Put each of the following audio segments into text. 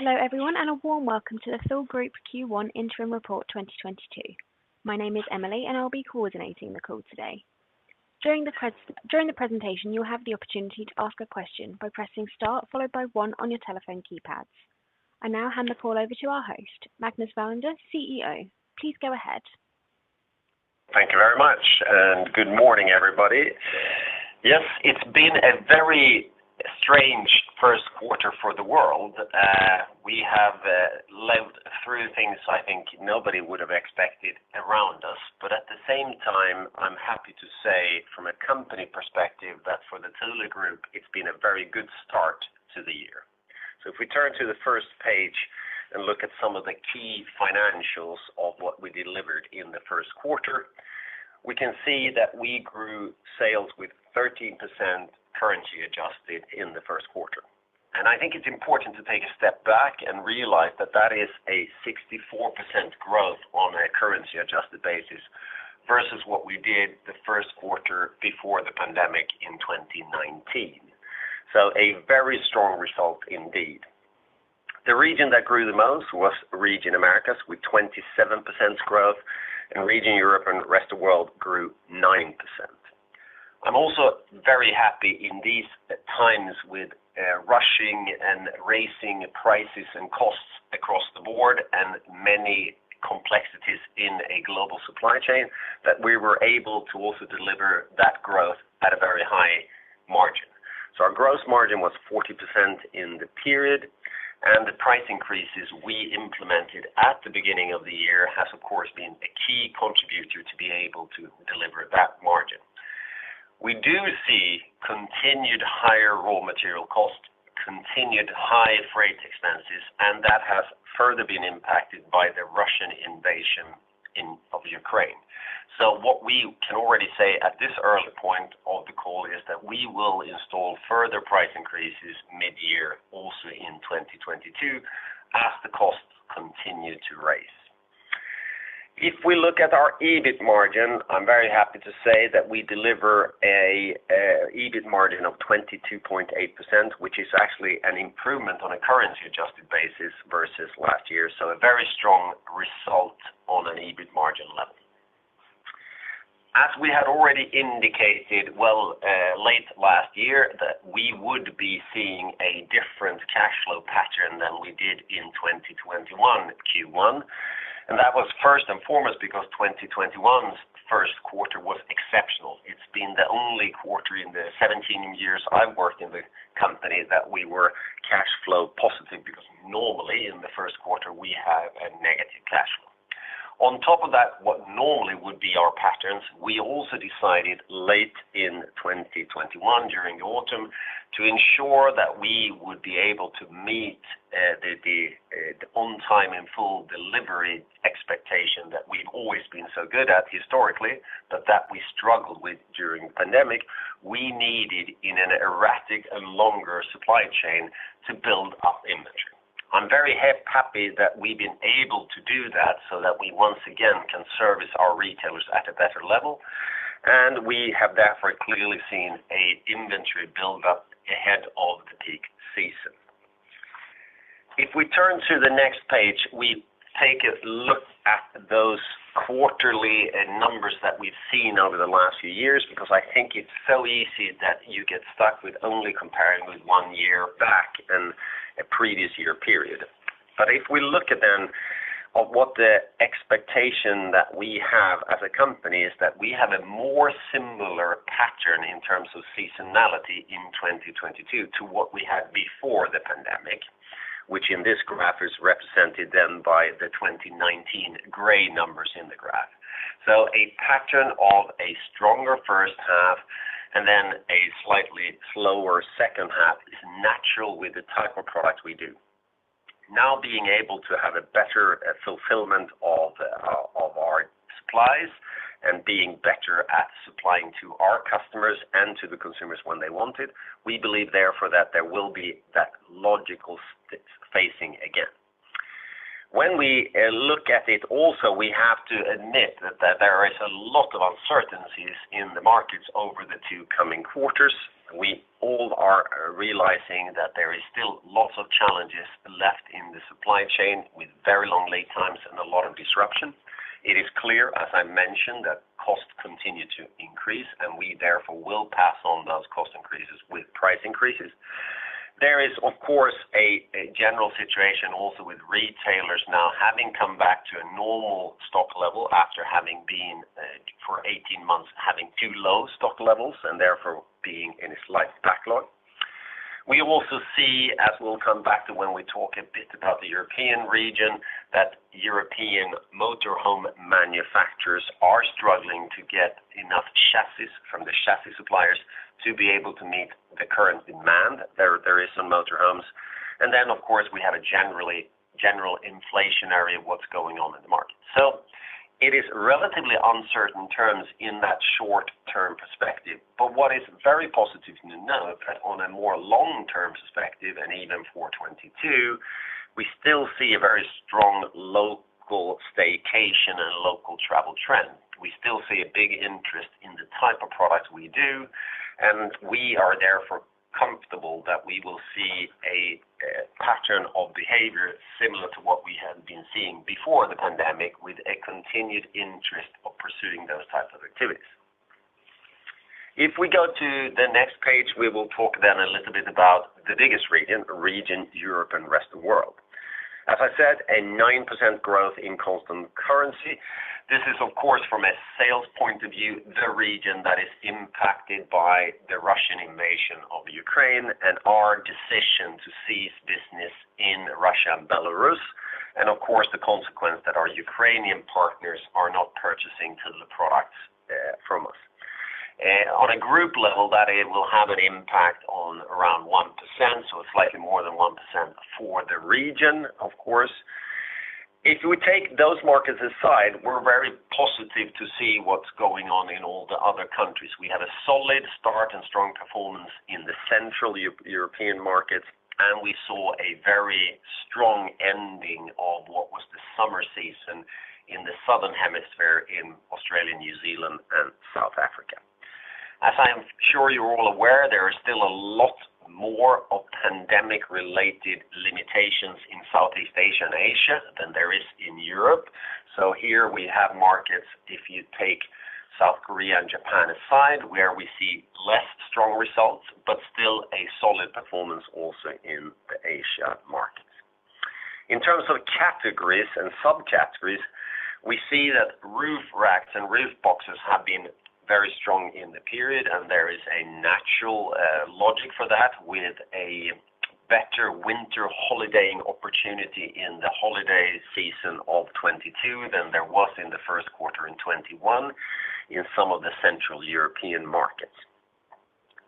Hello everyone, and a warm welcome to the Thule Group Q1 Interim Report 2022. My name is Emily, and I'll be coordinating the call today. During the presentation, you'll have the opportunity to ask a question by pressing star followed by one on your telephone keypads. I now hand the call over to our host, Magnus Welander, CEO. Please go ahead. Thank you very much, and good morning, everybody. Yes, it's been a very strange Q1 for the world. We have lived through things I think nobody would have expected around us. At the same time, I'm happy to say from a company perspective that for the Thule Group, it's been a very good start to the year. If we turn to the first page and look at some of the key financials of what we delivered in the Q1, we can see that we grew sales with 13% currency adjusted in the Q1. I think it's important to take a step back and realize that that is a 64% growth on a currency adjusted basis versus what we did the Q1 before the pandemic in 2019. A very strong result indeed. The region that grew the most was Region Americas, with 27% growth, and Region Europe and Rest of World grew 9%. I'm also very happy in these times with rising prices and costs across the board and many complexities in a global supply chain that we were able to also deliver that growth at a very high margin. Our gross margin was 40% in the period, and the price increases we implemented at the beginning of the year has of course, been a key contributor to being able to deliver that margin. We do see continued higher raw material costs, continued high freight expenses, and that has further been impacted by the Russian invasion of Ukraine. What we can already say at this early point of the call is that we will implement further price increases mid-year also in 2022 as the costs continue to rise. If we look at our EBIT margin, I'm very happy to say that we deliver a EBIT margin of 22.8%, which is actually an improvement on a currency adjusted basis versus last year. A very strong result on an EBIT margin level. As we had already indicated late last year, that we would be seeing a different cash flow pattern than we did in 2021 Q1. That was first and foremost because 2021's Q1 was exceptional. It's been the only quarter in the 17 years I've worked in the company that we were cash flow positive, because normally in the Q1 we have a negative cash flow. On top of that, what normally would be our patterns, we also decided late in 2021 during the autumn to ensure that we would be able to meet the on time in full delivery expectation that we've always been so good at historically, but that we struggled with during pandemic, we needed in an erratic and longer supply chain to build up inventory. I'm very happy that we've been able to do that so that we once again can service our retailers at a better level, and we have therefore clearly seen an inventory build up ahead of the peak season. If we turn to the next page, we take a look at those quarterly numbers that we've seen over the last few years because I think it's so easy that you get stuck with only comparing with one year back in a previous year period. If we look at them. What the expectation that we have as a company is that we have a more similar pattern in terms of seasonality in 2022 to what we had before the pandemic, which in this graph is represented then by the 2019 gray numbers in the graph. A pattern of a stronger first half and then a slightly slower second half is natural with the type of product we do. Now being able to have a better fulfillment of our supplies and being better at supplying to our customers and to the consumers when they want it, we believe therefore that there will be that logical phasing again. When we look at it also, we have to admit that there is a lot of uncertainties in the markets over the two coming quarters. We all are realizing that there is still lots of challenges left in the supply chain with very long lead times and a lot of disruption. It is clear, as I mentioned, that costs continue to increase and we therefore will pass on those cost increases with price increases. There is of course a general situation also with retailers now having come back to a normal stock level after having been for 18 months having too low stock levels and therefore being in a slight backlog. We also see as we'll come back to when we talk a bit about the European region, that European motorhome manufacturers are struggling to get enough chassis from the chassis suppliers to be able to meet the current demand. Of course we have a general inflation in what's going on in the market. It is relatively uncertain in that short-term perspective. What is very positive to note on a more long-term perspective and even for 2022, we still see a very strong local staycation and local travel trend. We still see a big interest in the type of products we do, and we are therefore comfortable that we will see a pattern of behavior similar to what we have been seeing before the pandemic, with a continued interest of pursuing those types of activities. If we go to the next page, we will talk then a little bit about the biggest region, Europe and Rest of World. As I said, 9% growth in constant currency. This is, of course, from a sales point of view, the region that is impacted by the Russian invasion of Ukraine and our decision to cease business in Russia and Belarus. Of course, the consequence that our Ukrainian partners are not purchasing the products from us. On a group level, that it will have an impact on around 1%, so it's slightly more than 1% for the region, of course. If you would take those markets aside, we're very positive to see what's going on in all the other countries. We had a solid start and strong performance in the central European markets, and we saw a very strong ending of what was the summer season in the Southern Hemisphere in Australia, New Zealand, and South Africa. As I am sure you're all aware, there is still a lot more of pandemic-related limitations in Southeast Asia and Asia than there is in Europe. Here we have markets, if you take South Korea and Japan aside, where we see less strong results, but still a solid performance also in the Asia markets. In terms of categories and subcategories, we see that roof racks and roof boxes have been very strong in the period, and there is a natural, logic for that with a better winter holidaying opportunity in the holiday season of 2022 than there was in the Q1 in 2021 in some of the central European markets.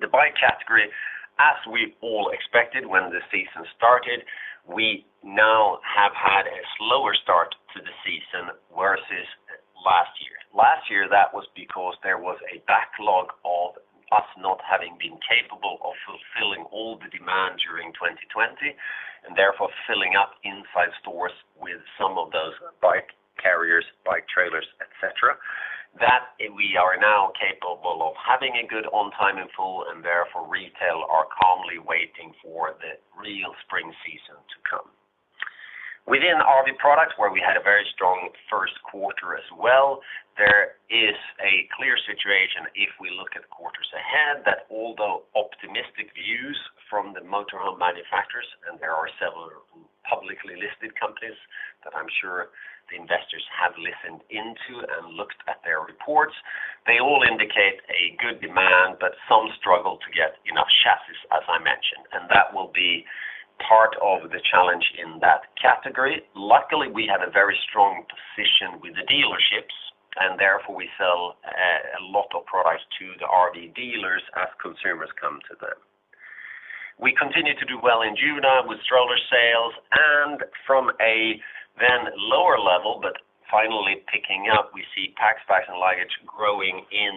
The bike category, as we all expected when the season started, we now have had a slower start to the season versus last year. Last year, that was because there was a backlog of us not having been capable of fulfilling all the demand during 2020, and therefore filling up inside stores with some of those bike carriers, bike trailers, et cetera. That we are now capable of having a good on time in full, and therefore, retail are calmly waiting for the real spring season to come. Within RV Products, where we had a very strong Q1 as well, there is a clear situation if we look at quarters ahead, that although optimistic views from the motor home manufacturers, and there are several publicly listed companies that I'm sure the investors have listened into and looked at their reports. They all indicate a good demand, but some struggle to get enough chassis, as I mentioned, and that will be part of the challenge in that category. Luckily, we have a very strong position with the dealerships, and therefore we sell a lot of products to the RV dealers as consumers come to them. We continue to do well in June with stroller sales and from a then lower level, but finally picking up, we see packs, bags, and luggage growing in,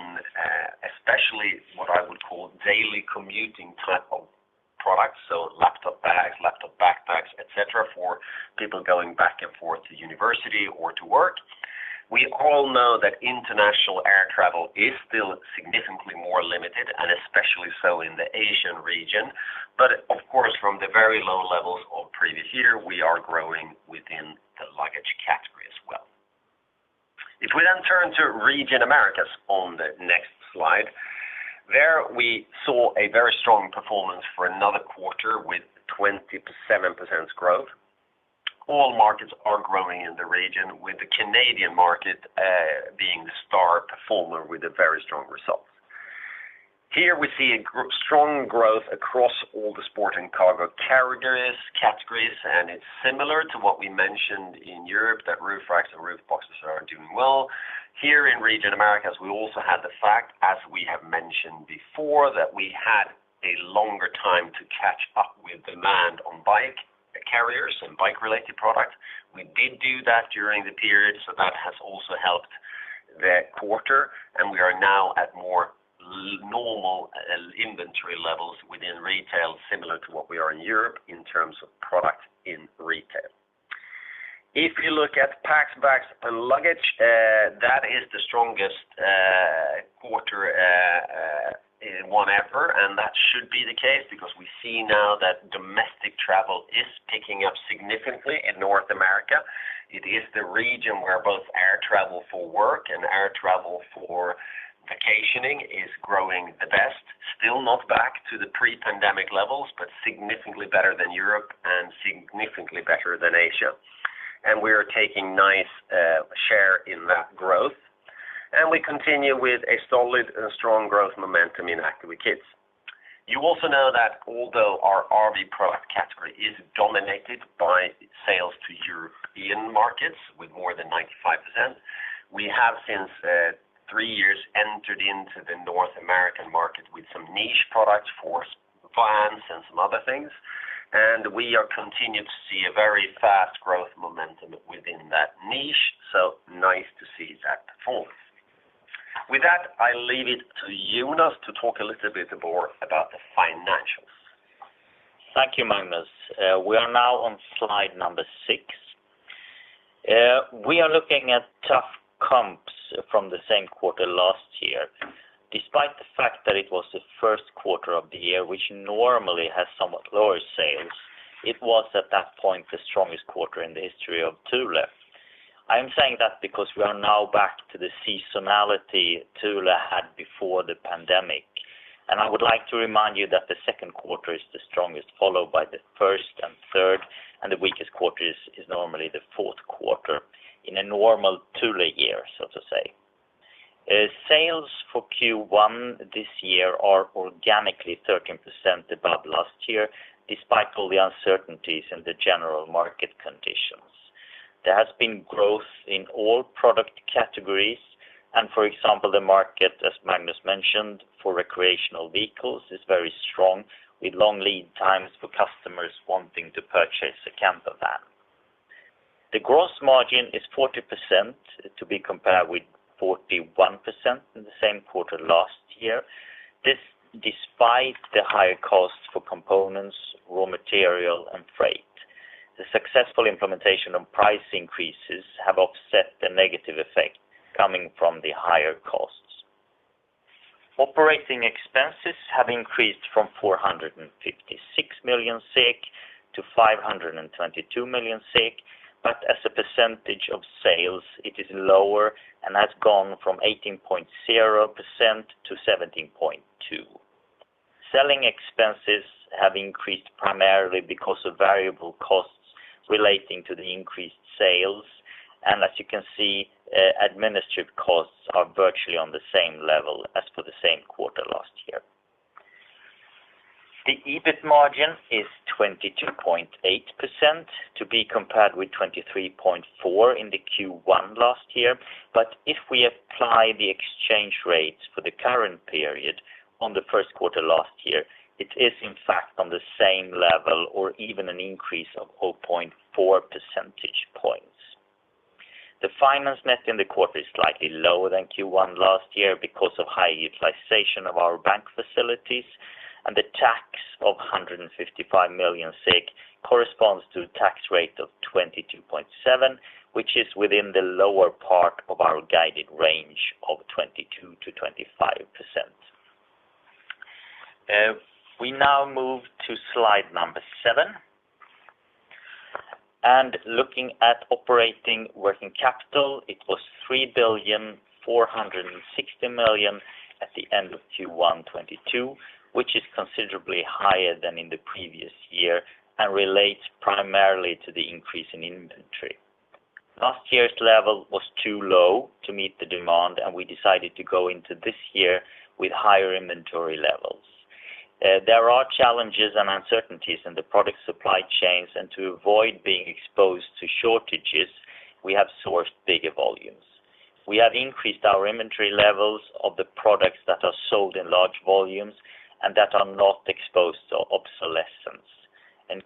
especially what I would call daily commuting type of products, so laptop bags, laptop backpacks, et cetera, for people going back and forth to university or to work. We all know that international air travel is still significantly more limited, and especially so in the Asian region. Of course, from the very low levels of previous year, we are growing within the luggage category as well. If we then turn to Region Americas on the next slide. There we saw a very strong performance for another quarter with 27% growth. All markets are growing in the region, with the Canadian market being the star performer with a very strong result. Here we see strong growth across all the sport and cargo categories, and it's similar to what we mentioned in Europe, that roof racks and roof boxes are doing well. Here in region Americas, we also had the fact, as we have mentioned before, that we had a longer time to catch up with demand on bike carriers and bike-related products. We did do that during the period, so that has also helped the quarter, and we are now at more normal inventory levels within retail, similar to what we are in Europe in terms of product in retail. If you look at packs, bags and luggage, that is the strongest quarter one ever, and that should be the case because we see now that domestic travel is picking up significantly in North America. It is the region where both air travel for work and air travel for vacationing is growing the best. Still not back to the pre-pandemic levels, but significantly better than Europe and significantly better than Asia. We are taking nice share in that growth. We continue with a solid and strong growth momentum in Active with Kids. You also know that although our RV product category is dominated by sales to European markets with more than 95%, we have since three years entered into the North American market with some niche products for vans and some other things. We continue to see a very fast growth in niche, so nice to see that performance. With that, I leave it to Jonas to talk a little bit more about the financials. Thank you, Magnus. We are now on slide number six. We are looking at tough comps from the same quarter last year. Despite the fact that it was the Q1 of the year, which normally has somewhat lower sales, it was at that point, the strongest quarter in the history of Thule. I am saying that because we are now back to the seasonality Thule had before the pandemic. I would like to remind you that the Q2 is the strongest, followed by the first and third, and the weakest quarter is normally the Q4 in a normal Thule year, so to say. Sales for Q1 this year are organically 13% above last year, despite all the uncertainties in the general market conditions. There has been growth in all product categories, and for example, the market, as Magnus mentioned, for recreational vehicles is very strong, with long lead times for customers wanting to purchase a camper van. The gross margin is 40% to be compared with 41% in the same quarter last year. This despite the higher cost for components, raw material, and freight. The successful implementation of price increases have offset the negative effect coming from the higher costs. Operating expenses have increased from 456 million SEK to 522 million SEK, but as a percentage of sales, it is lower and has gone from 18.0% to 17.2%. Selling expenses have increased primarily because of variable costs relating to the increased sales. As you can see, administrative costs are virtually on the same level as for the same quarter last year. The EBIT margin is 22.8% to be compared with 23.4% in the Q1 last year. If we apply the exchange rates for the current period on the Q1 last year, it is in fact on the same level or even an increase of 0.4 percentage points. The finance net in the quarter is slightly lower than Q1 last year because of high utilization of our bank facilities, and the tax of 155 million SEK corresponds to a tax rate of 22.7%, which is within the lower part of our guided range of 22%-25%. We now move to slide number seven. Looking at operating working capital, it was 3.46 billion at the end of Q1 2022, which is considerably higher than in the previous year and relates primarily to the increase in inventory. Last year's level was too low to meet the demand, and we decided to go into this year with higher inventory levels. There are challenges and uncertainties in the product supply chains, and to avoid being exposed to shortages, we have sourced bigger volumes. We have increased our inventory levels of the products that are sold in large volumes and that are not exposed to obsolescence.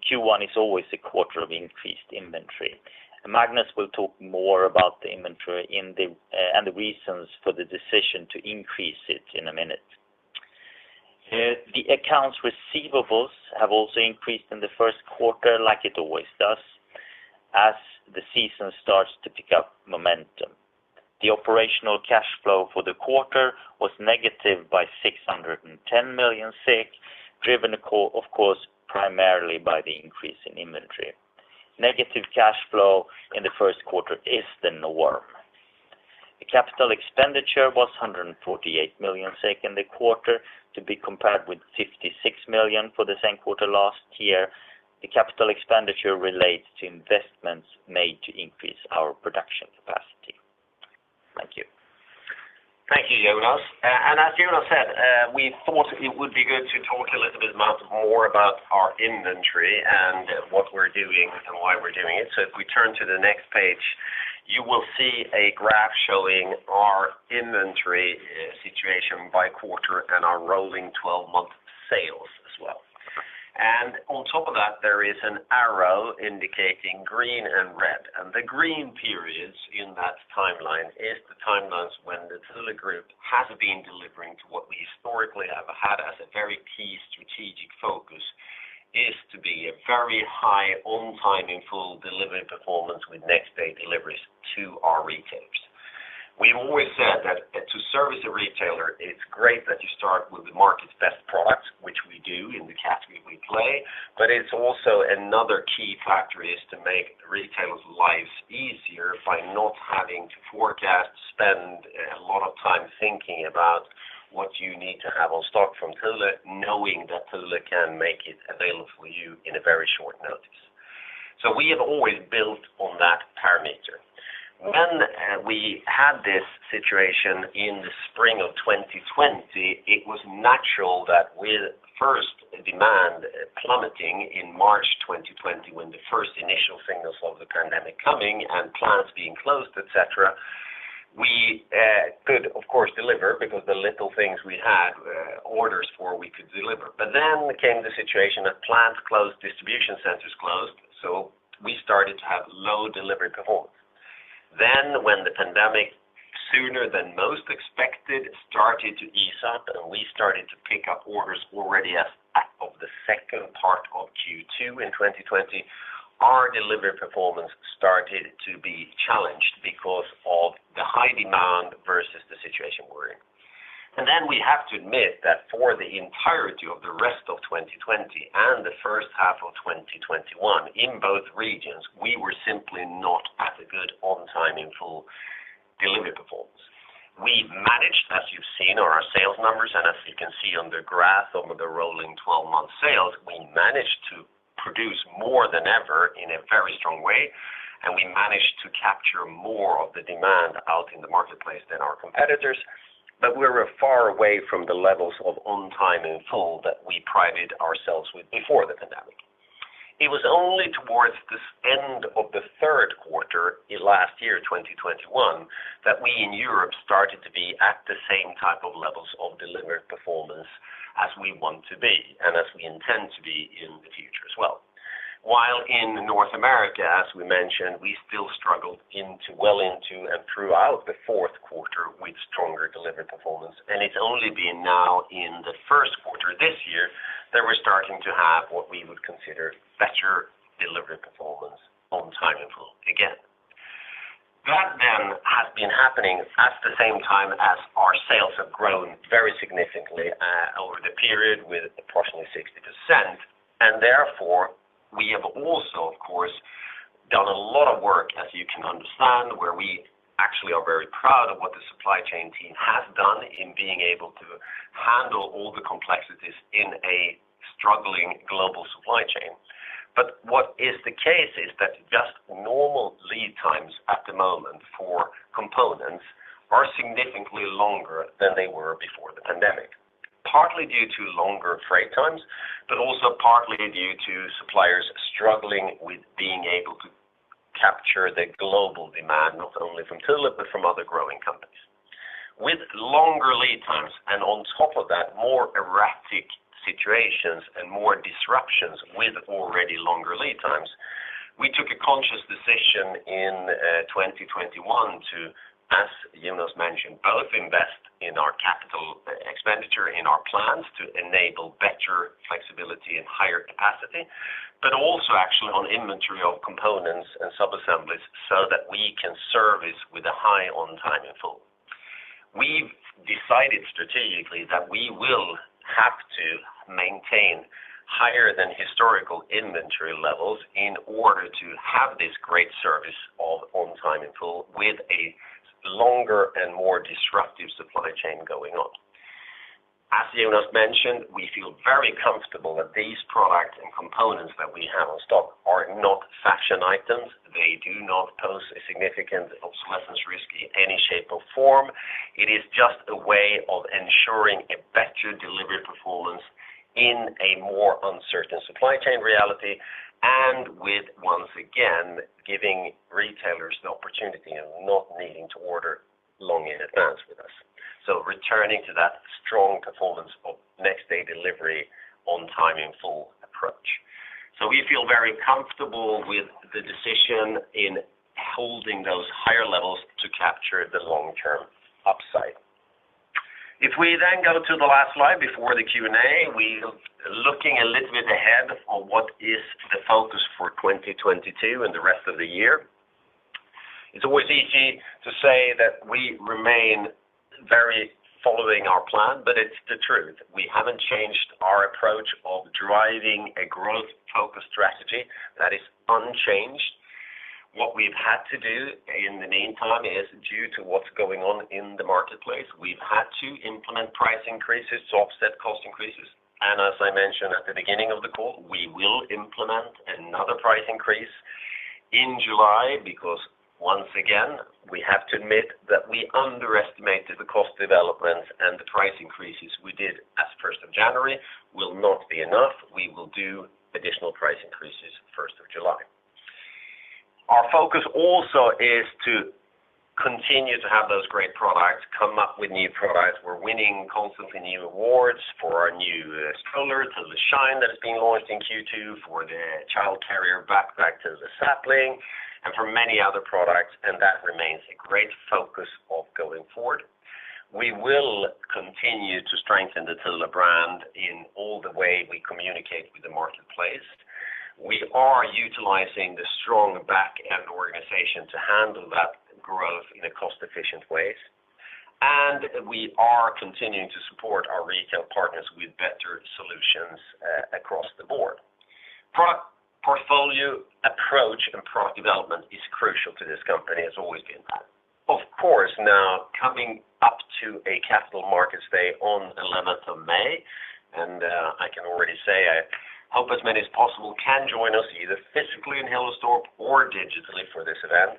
Q1 is always a quarter of increased inventory. Magnus will talk more about the inventory and the reasons for the decision to increase it in a minute. The accounts receivable have also increased in the Q1 like it always does as the season starts to pick up momentum. The operational cash flow for the quarter was negative by 610 million, driven, of course, primarily by the increase in inventory. Negative cash flow in the Q1 is the norm. The capital expenditure was 148 million SEK in the quarter to be compared with 56 million for the same quarter last year. The capital expenditure relates to investments made to increase our production capacity. Thank you. Thank you, Jonas. As Jonas said, we thought it would be good to talk a little bit more about our inventory and what we're doing and why we're doing it. If we turn to the next page, you will see a graph showing our inventory situation by quarter and our rolling 12-month sales as well. On top of that, there is an arrow indicating green and red. The green periods in that timeline is the timelines when the Thule Group has been delivering to what we historically have had as a very key strategic focus, is to be a very high on time in full delivery performance with next day deliveries to our retailers. We always said that to service a retailer, it's great that you start with the market's best product, which we do in the category we play. It's also another key factor is to make retailers' lives easier by not having to forecast, spend a lot of time thinking about what you need to have on stock from Thule, knowing that Thule can make it available for you in a very short notice. We have always built on that parameter. When we had this situation in the spring of 2020, it was natural that with first demand plummeting in March 2020 when the first initial signals of the pandemic coming and plants being closed, et cetera. We could of course deliver because the little things we had orders for we could deliver. Then came the situation that plants closed, distribution centers closed, so we started to have low delivery performance. When the pandemic, sooner than most expected, started to ease up and we started to pick up orders already as of the second part of Q2 in 2020, our delivery performance started to be challenged because of the high demand versus the situation we're in. We have to admit that for the entirety of the rest of 2020 and the first half of 2021, in both regions, we were simply not at a good on time in full delivery performance. We managed, as you've seen on our sales numbers and as you can see on the graph of the rolling 12-month sales, we managed to produce more than ever in a very strong way, and we managed to capture more of the demand out in the marketplace than our competitors. We were far away from the levels of on time in full that we prided ourselves with before the pandemic. It was only towards the end of the Q3 in last year, 2021, that we in Europe started to be at the same type of levels of delivered performance as we want to be and as we intend to be in the future as well. While in North America, as we mentioned, we still struggled well into and throughout the Q4 with stronger delivery performance, and it's only been now in the Q1 this year that we're starting to have what we would consider better delivery performance on time in full again. That has been happening at the same time as our sales have grown very significantly over the period with approximately 60%, and therefore we have also, of course, done a lot of work, as you can understand, where we actually are very proud of what the supply chain team has done in being able to handle all the complexities in a struggling global supply chain. What is the case is that just normal lead times at the moment for components are significantly longer than they were before the pandemic. Partly due to longer freight times, but also partly due to suppliers struggling with being able to capture the global demand, not only from Thule, but from other growing companies. With longer lead times, and on top of that, more erratic situations and more disruptions with already longer lead times, we took a conscious decision in 2021 to, as Jonas mentioned, both invest in our capital expenditure in our plans to enable better flexibility and higher capacity, but also actually on inventory of components and subassemblies so that we can service with a high on time in full. We've decided strategically that we will have to maintain higher than historical inventory levels in order to have this great service of on time in full with a longer and more disruptive supply chain going on. As Jonas mentioned, we feel very comfortable that these products and components that we have on stock are not fashion items. They do not pose a significant obsolescence risk in any shape or form. It is just a way of ensuring a better delivery performance in a more uncertain supply chain reality and with, once again, giving retailers the opportunity of not needing to order long in advance with us. Returning to that strong performance of next day delivery on time in full approach. We feel very comfortable with the decision of holding those higher levels to capture the long-term upside. If we then go to the last slide before the Q&A, we're looking a little bit ahead of what is the focus for 2022 and the rest of the year. It's always easy to say that we remain very true to our plan, but it's the truth. We haven't changed our approach of driving a growth-focused strategy. That is unchanged. What we've had to do in the meantime is due to what's going on in the marketplace, we've had to implement price increases to offset cost increases. As I mentioned at the beginning of the call, we will implement another price increase in July because once again, we have to admit that we underestimated the cost developments and the price increases we did as of the first of January will not be enough. We will do additional price increases first of July. Our focus also is to continue to have those great products, come up with new products. We're winning constantly new awards for our new stroller, Thule Shine that's being launched in Q2 for the child carrier backpack, Thule Sapling, and for many other products, and that remains a great focus of going forward. We will continue to strengthen the Thule brand in all the way we communicate with the marketplace. We are utilizing the strong back-end organization to handle that growth in a cost-efficient way. We are continuing to support our retail partners with better solutions across the board. Portfolio approach and product development is crucial to this company as always been. Of course, now coming up to a Capital Markets Day on the eleventh of May, I can already say I hope as many as possible can join us either physically in Hillerstorp or digitally for this event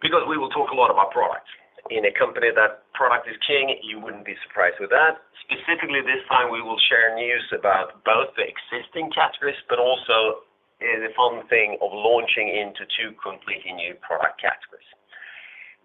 because we will talk a lot about products. In a company that product is king, you wouldn't be surprised with that. Specifically this time, we will share news about both the existing categories, but also the fun thing of launching into two completely new product categories.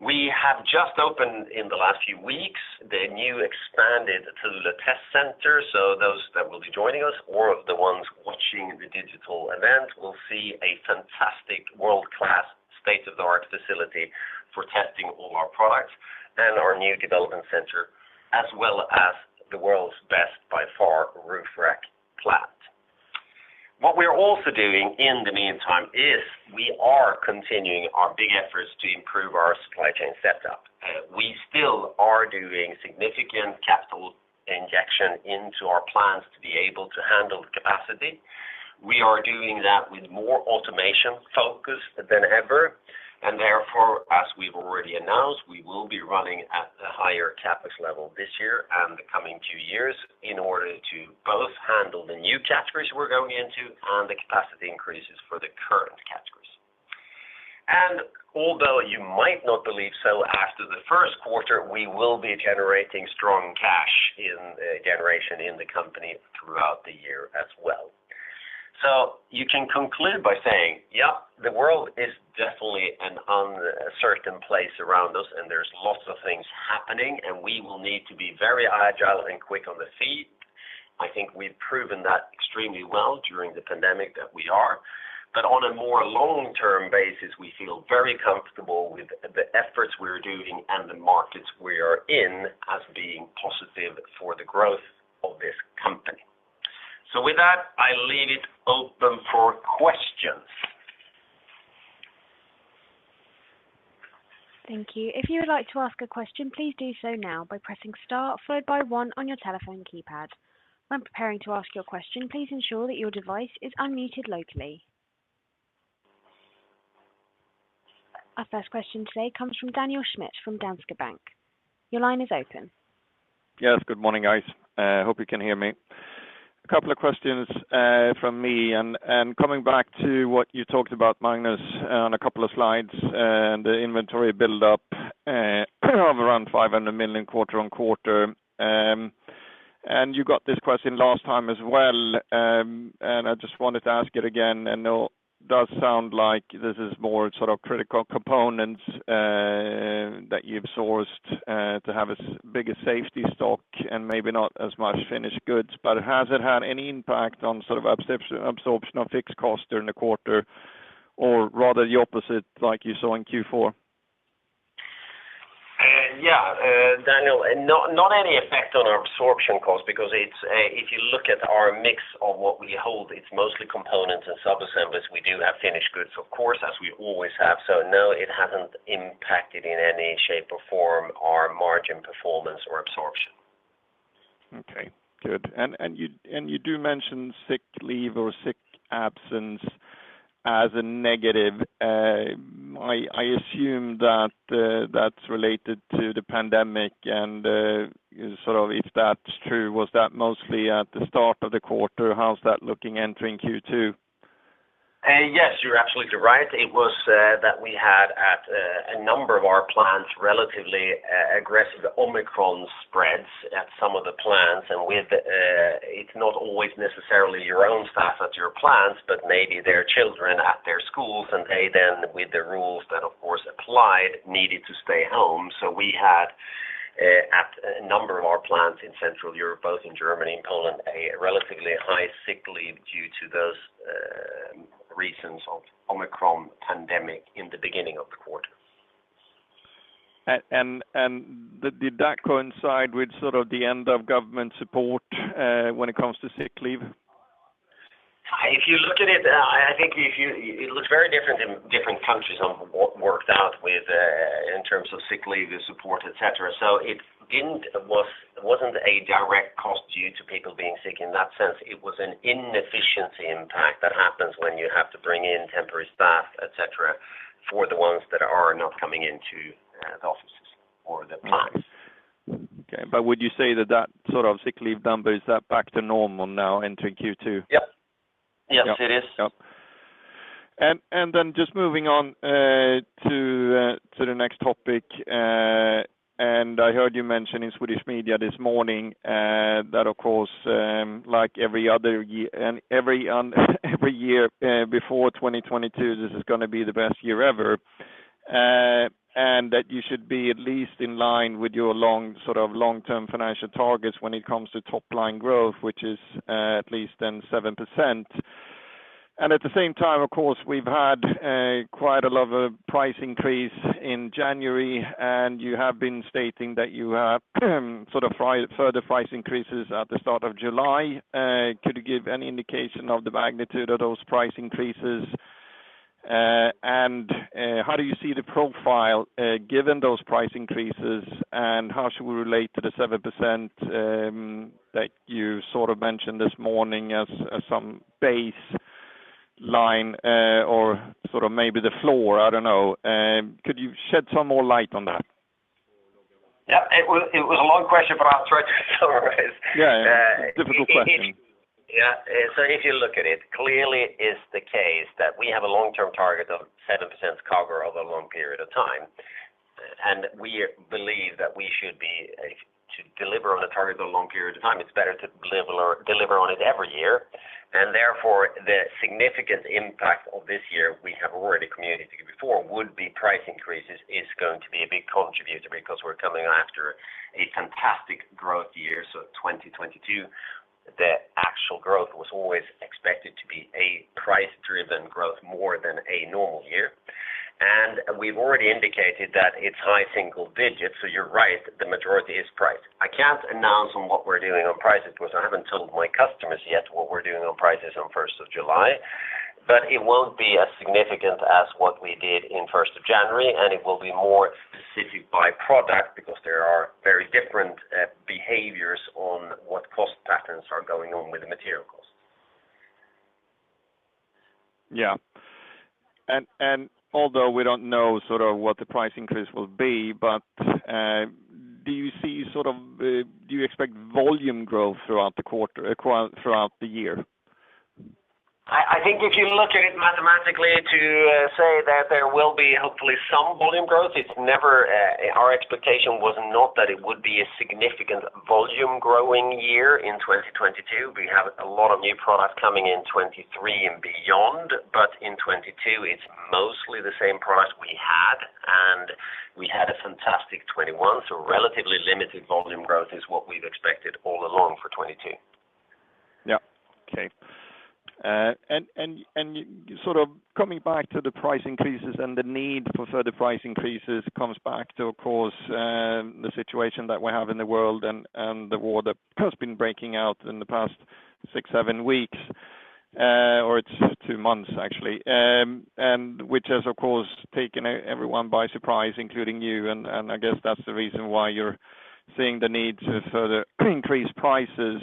We have just opened in the last few weeks, the new expanded Thule test center, so those that will be joining us or the ones watching the digital event will see a fantastic world-class state of the art facility for testing all our products and our new development center, as well as the world's best by far roof rack flat. What we're also doing in the meantime is we are continuing our big efforts to improve our supply chain setup. We still are doing significant capital injection into our plants to be able to handle the capacity. We are doing that with more automation focus than ever. Therefore, as we've already announced, we will be running at a higher CapEx level this year and the coming two years in order to both handle the new categories we're going into and the capacity increases for the current categories. Although you might not believe so after the Q1, we will be generating strong cash generation in the company throughout the year as well. You can conclude by saying, yeah, the world is definitely an uncertain place around us, and there's lots of things happening, and we will need to be very agile and quick on the feet. I think we've proven that extremely well during the pandemic that we are. But on a more long-term basis, we feel very comfortable with the efforts we're doing and the markets we are in as being positive for the growth of this company. With that, I leave it open for questions. Thank you. If you would like to ask a question, please do so now by pressing star followed by one on your telephone keypad. When preparing to ask your question, please ensure that your device is unmuted locally. Our first question today comes from Daniel Schmidt from Danske Bank. Your line is open. Yes. Good morning, guys. Hope you can hear me. A couple of questions from me and coming back to what you talked about, Magnus, on a couple of slides, the inventory build-up of around SEK 500 million quarter-on-quarter. You got this question last time as well, and I just wanted to ask it again. I know it does sound like this is more sort of critical components that you've sourced to have a bigger safety stock and maybe not as much finished goods, but has it had any impact on sort of absorption of fixed cost during the quarter or rather the opposite like you saw in Q4? Daniel, not any effect on our absorption cost because it's, if you look at our mix of what we hold, it's mostly components and sub-assemblies. We do have finished goods, of course, as we always have. No, it hasn't impacted in any shape or form our margin performance or absorption. Okay, good. You do mention sick leave or sick absence as a negative. I assume that's related to the pandemic. Sort of, if that's true, was that mostly at the start of the quarter? How's that looking entering Q2? Yes, you're absolutely right. It was that we had at a number of our plants relatively aggressive Omicron spreads at some of the plants. It's not always necessarily your own staff at your plants, but maybe their children at their schools. They then, with the rules that, of course, applied, needed to stay home. We had at a number of our plants in Central Europe, both in Germany and Poland, a relatively high sick leave due to those reasons of Omicron pandemic in the beginning of the quarter. Did that coincide with sort of the end of government support, when it comes to sick leave? If you look at it, I think it looks very different in different countries on what worked out with, in terms of sick leave support, et cetera. It wasn't a direct cost due to people being sick in that sense. It was an inefficiency impact that happens when you have to bring in temporary staff, et cetera, for the ones that are not coming into the offices or the plants. Okay. Would you say that sort of sick leave number is back to normal now into Q2? Yep. Yes, it is. Yep. Just moving on to the next topic. I heard you mention in Swedish media this morning that, of course, like every other year and every year before 2022, this is gonna be the best year ever. That you should be at least in line with your sort of long-term financial targets when it comes to top line growth, which is at least 7%. At the same time, of course, we've had quite a lot of price increase in January, and you have been stating that you have sort of further price increases at the start of July. Could you give any indication of the magnitude of those price increases? How do you see the profile, given those price increases, and how should we relate to the 7% that you sort of mentioned this morning as some baseline, or sort of maybe the floor? I don't know. Could you shed some more light on that? Yeah. It was a long question, but I'll try to summarize. Yeah, yeah. Difficult question. Yeah. If you look at it, clearly is the case that we have a long-term target of 7% CAGR over a long period of time. We believe that we should be able to deliver on a target over a long period of time. It's better to deliver on it every year. Therefore, the significant impact of this year, we have already communicated before, would be price increases is going to be a big contributor because we're coming after a fantastic growth year, so 2022, the actual growth was always expected to be a price-driven growth more than a normal year. We've already indicated that it's high single digits%, so you're right, the majority is price. I can't announce on what we're doing on prices because I haven't told my customers yet what we're doing on prices on first of July. It won't be as significant as what we did in first of January, and it will be more specific by product because there are very different behaviors on what cost patterns are going on with the material costs. Although we don't know sort of what the price increase will be, but do you expect volume growth throughout the year? I think if you look at it mathematically, too, to say that there will be hopefully some volume growth. Our expectation was not that it would be a significant volume growing year in 2022. We have a lot of new products coming in 2023 and beyond, but in 2022, it's mostly the same products we had, and we had a fantastic 2021, so relatively limited volume growth is what we've expected all along for 2022. Yeah. Okay. Sort of coming back to the price increases and the need for further price increases comes back to, of course, the situation that we have in the world and the war that has been breaking out in the past six, seven weeks, or it's two months actually. Which has of course taken everyone by surprise, including you. I guess that's the reason why you're seeing the need to further increase prices,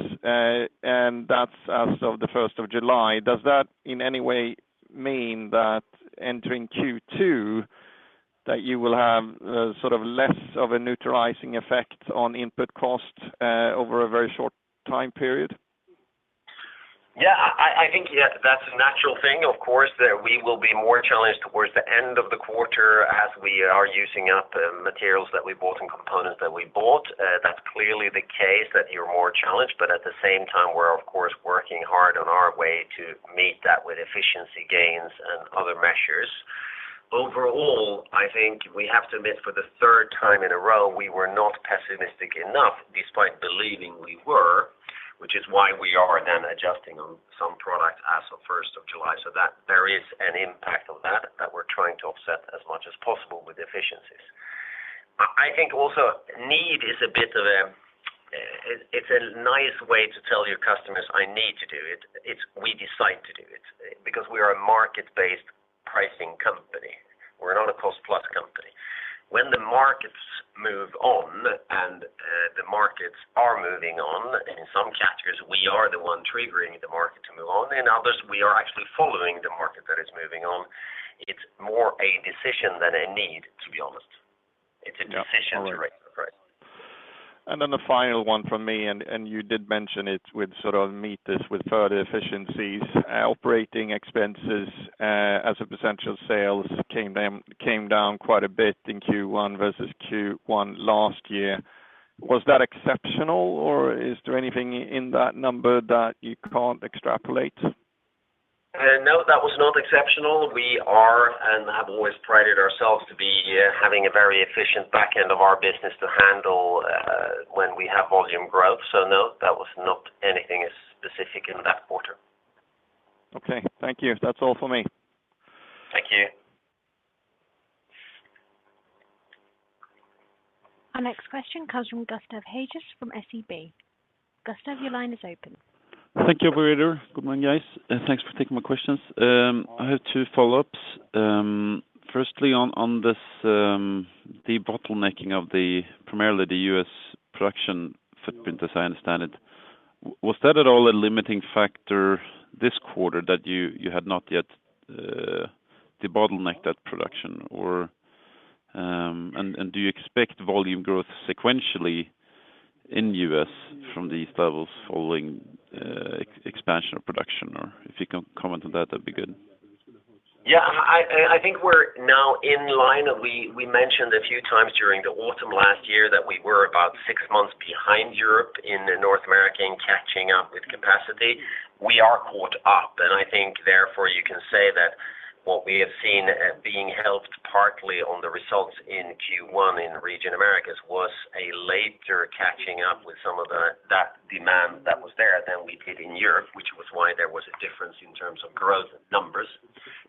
and that's as of the first of July. Does that in any way mean that entering Q2, that you will have sort of less of a neutralizing effect on input costs over a very short time period? Yeah. I think, yeah, that's a natural thing, of course, that we will be more challenged towards the end of the quarter as we are using up materials that we bought and components that we bought. That's clearly the case that you're more challenged, but at the same time, we're of course working hard on our way to meet that with efficiency gains and other measures. Overall, I think we have to admit for the third time in a row, we were not pessimistic enough despite believing we were, which is why we are then adjusting on some products as of first of July. That there is an impact of that we're trying to offset as much as possible with efficiencies. I think also need is a bit of a It's a nice way to tell your customers, "I need to do it." It's, we decide to do it because we are a market-based pricing company. We're not a cost-plus company. When the markets move on, the markets are moving on, in some categories, we are the one triggering the market to move on. In others, we are actually following the market that is moving on. It's more a decision than a need, to be honest. Yeah. All right. It's a decision to raise the price. The final one from me, and you did mention offsetting this with further efficiencies, operating expenses, as sales came down quite a bit in Q1 versus Q1 last year. Was that exceptional, or is there anything in that number that you can't extrapolate? No, that was not exceptional. We are and have always prided ourselves to be, having a very efficient back end of our business to handle, when we have volume growth. So no, that was not anything as specific in that quarter. Okay. Thank you. That's all for me. Thank you. Our next question comes from Gustav Hagéus from SEB. Gustav, your line is open. Thank you, operator. Good morning, guys, and thanks for taking my questions. I have two follow-ups. Firstly, on this, the bottlenecking of primarily the U.S. production footprint, as I understand it. Was that at all a limiting factor this quarter that you had not yet debottlenecked that production? Or do you expect volume growth sequentially in U.S. from these levels following expansion of production? Or if you can comment on that'd be good. I think we're now in line. We mentioned a few times during the autumn last year that we were about six months behind Europe in the North American catching up with capacity. We are caught up. I think therefore you can say that what we have seen, being helped partly on the results in Q1 in region Americas was a later catching up with some of that demand that was there than we did in Europe, which was why there was a difference in terms of growth numbers.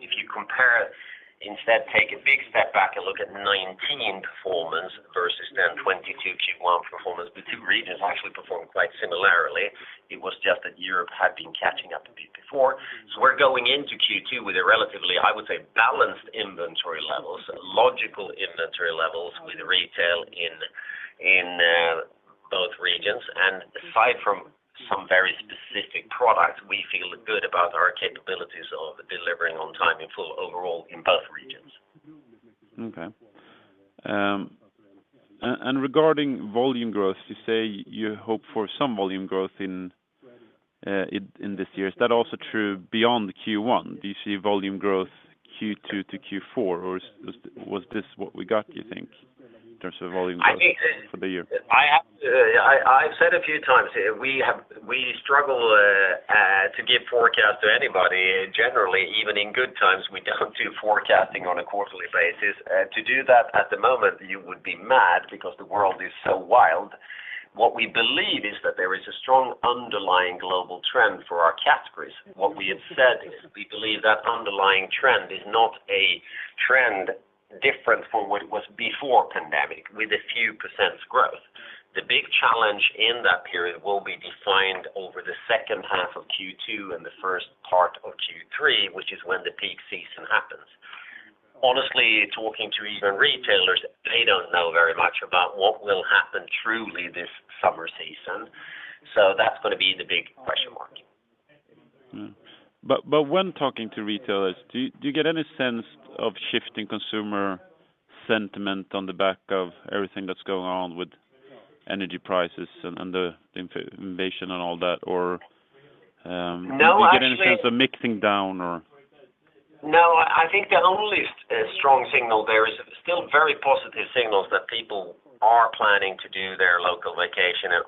If you compare, instead take a big step back and look at 2019 performance versus then 2022 Q1 performance, the two regions actually performed quite similarly. It was just that Europe had been catching up a bit before. We're going into Q2 with a relatively, I would say, balanced inventory levels, logical inventory levels with retail in both regions. Aside from some very specific products, we feel good about our capabilities of delivering on time in full overall in both regions. Okay. Regarding volume growth, you say you hope for some volume growth in this year. Is that also true beyond Q1? Do you see volume growth Q2 to Q4? Or was this what we got, do you think, in terms of volume growth? I think that- for the year? I've said a few times we struggle to give forecast to anybody. Generally, even in good times, we don't do forecasting on a quarterly basis. To do that at the moment, you would be mad because the world is so wild. What we believe is that there is a strong underlying global trend for our categories. What we have said is we believe that underlying trend is not a trend different from what it was before pandemic, with a few percent growth. The big challenge in that period will be defined over the second half of Q2 and the first part of Q3, which is when the peak season happens. Honestly, talking to even retailers, they don't know very much about what will happen truly this summer season, so that's gonna be the big question mark. When talking to retailers, do you get any sense of shifting consumer sentiment on the back of everything that's going on with energy prices and the invasion and all that? Or No, actually. Do you get any sense of mixing down or? No, I think the only strong signal there is still very positive signals that people are planning to do their local vacation and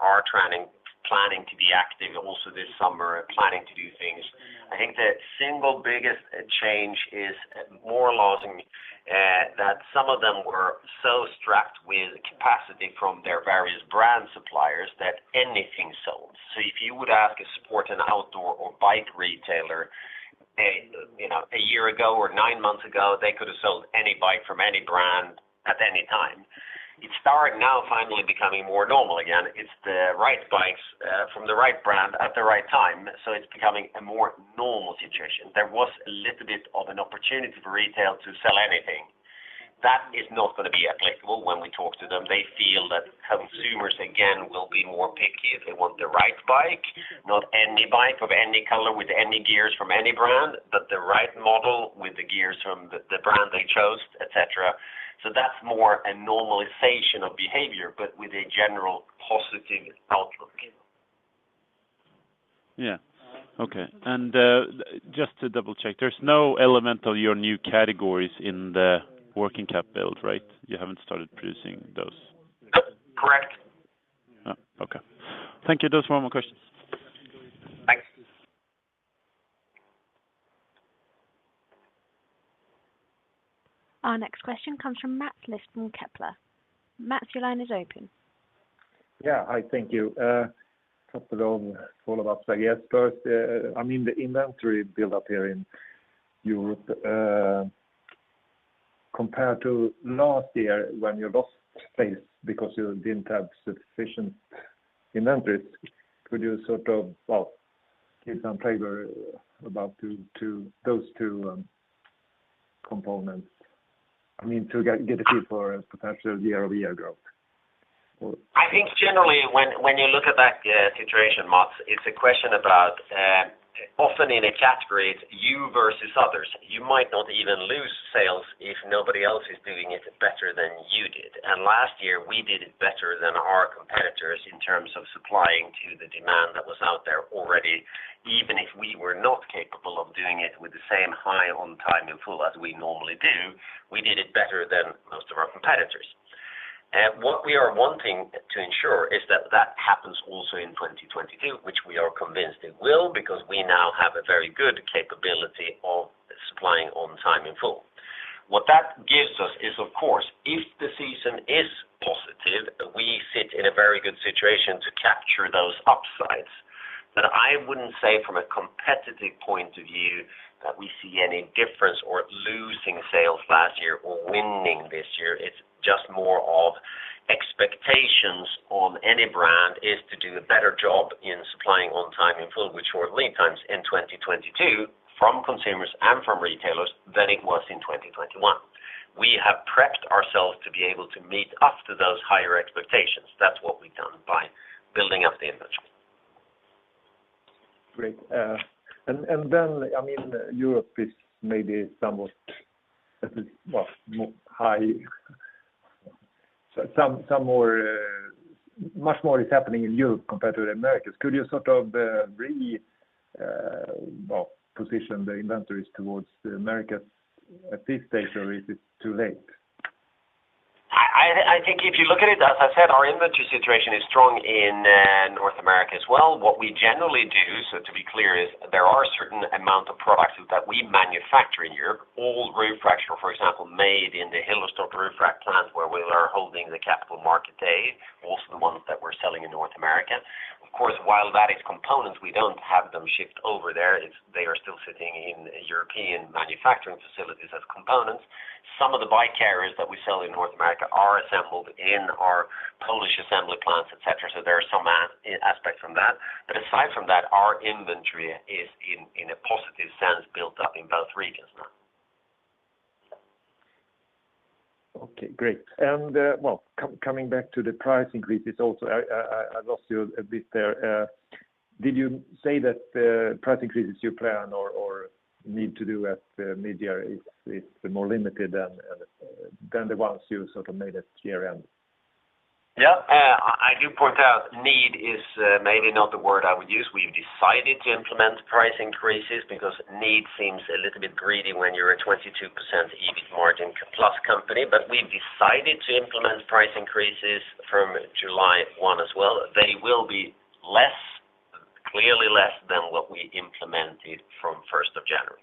planning to be active also this summer, planning to do things. I think the single biggest change is more or less that some of them were so strapped with capacity from their various brand suppliers that anything sold. If you would ask a sport and outdoor or bike retailer, you know, a year ago or nine months ago, they could have sold any bike from any brand at any time. It's started now finally becoming more normal again. It's the right bikes from the right brand at the right time, so it's becoming a more normal situation. There was a little bit of an opportunity for retail to sell anything. That is not gonna be applicable when we talk to them. They feel that consumers again will be more picky. They want the right bike, not any bike of any color with any gears from any brand, but the right model with the gears from the brand they chose, et cetera. That's more a normalization of behavior but with a general positive outlook. Yeah. Okay. Just to double-check, there's no element of your new categories in the working cap build, right? You haven't started producing those. C-correct. Oh, okay. Thank you. Those were all my questions. Thanks. Our next question comes from Mats Liss from Kepler. Mats, your line is open. Yeah. Hi, thank you. Couple of follow-ups, I guess. First, I mean, the inventory buildup here in Europe compared to last year when you lost sales because you didn't have sufficient inventories. Could you sort of, well, give some flavor about those two components? I mean, to get a feel for potential year-over-year growth. I think generally when you look at that situation, Mats, it's a question about often in a category, it's you versus others. You might not even lose sales if nobody else is doing it better than you did. Last year, we did it better than our competitors in terms of supplying to the demand that was out there already. Even if we were not capable of doing it with the same high on time in full as we normally do, we did it better than most of our competitors. What we are wanting to ensure is that that happens also in 2022, which we are convinced it will because we now have a very good capability of supplying on time in full. What that gives us is, of course, if the season is positive, we sit in a very good situation to capture those upsides. I wouldn't say from a competitive point of view that we see any difference or losing sales last year or winning this year. It's just more of expectations on any brand is to do a better job in supplying on time in full with short lead times in 2022 from consumers and from retailers than it was in 2021. We have prepped ourselves to be able to meet up to those higher expectations. That's what we've done by building up the inventory. Great. I mean, Europe is maybe somewhat, at least, well, higher. Much more is happening in Europe compared to the Americas. Could you sort of, well, reposition the inventories towards the Americas at this stage, or is it too late? I think if you look at it, as I said, our inventory situation is strong in North America as well. What we generally do, so to be clear, is there are certain amount of products that we manufacture in Europe. All roof rack, for example, made in the Hillerstorp roof rack plant where we are holding the Capital Markets Day, also the ones that we're selling in North America. Of course, while that is components, we don't have them shipped over there. It's. They are still sitting in European manufacturing facilities as components. Some of the bike carriers that we sell in North America are assembled in our Polish assembly plants, et cetera, so there are some aspects from that. But aside from that, our inventory is in a positive sense built up in both regions now. Okay, great. Well, coming back to the price increases also, I lost you a bit there. Did you say that price increase is your plan or need to do at midyear is more limited than the ones you sort of made at year-end? Yeah. I point out 'need' is maybe not the word I would use. We've decided to implement price increases because 'need' seems a little bit greedy when you're a 22% EBIT margin plus company. We've decided to implement price increases from July 1 as well. They will be less, clearly less than what we implemented from January 1.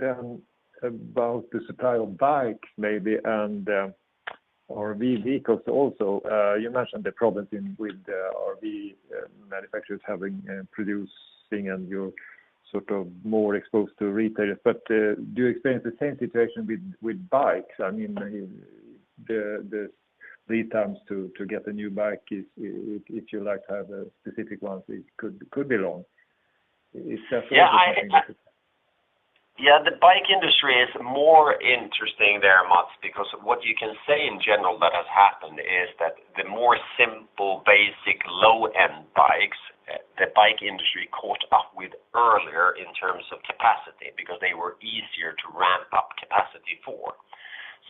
Great. About the supply of bikes maybe and RV vehicles also. You mentioned the problems with the RV manufacturers having producing, and you're sort of more exposed to retailers. Do you experience the same situation with bikes? I mean, the lead times to get a new bike is, if you like to have a specific one, it could be long. Is that The bike industry is more interesting there, Mats, because what you can say in general that has happened is that the more simple basic low-end bikes, the bike industry caught up with earlier in terms of capacity because they were easier to ramp up capacity for.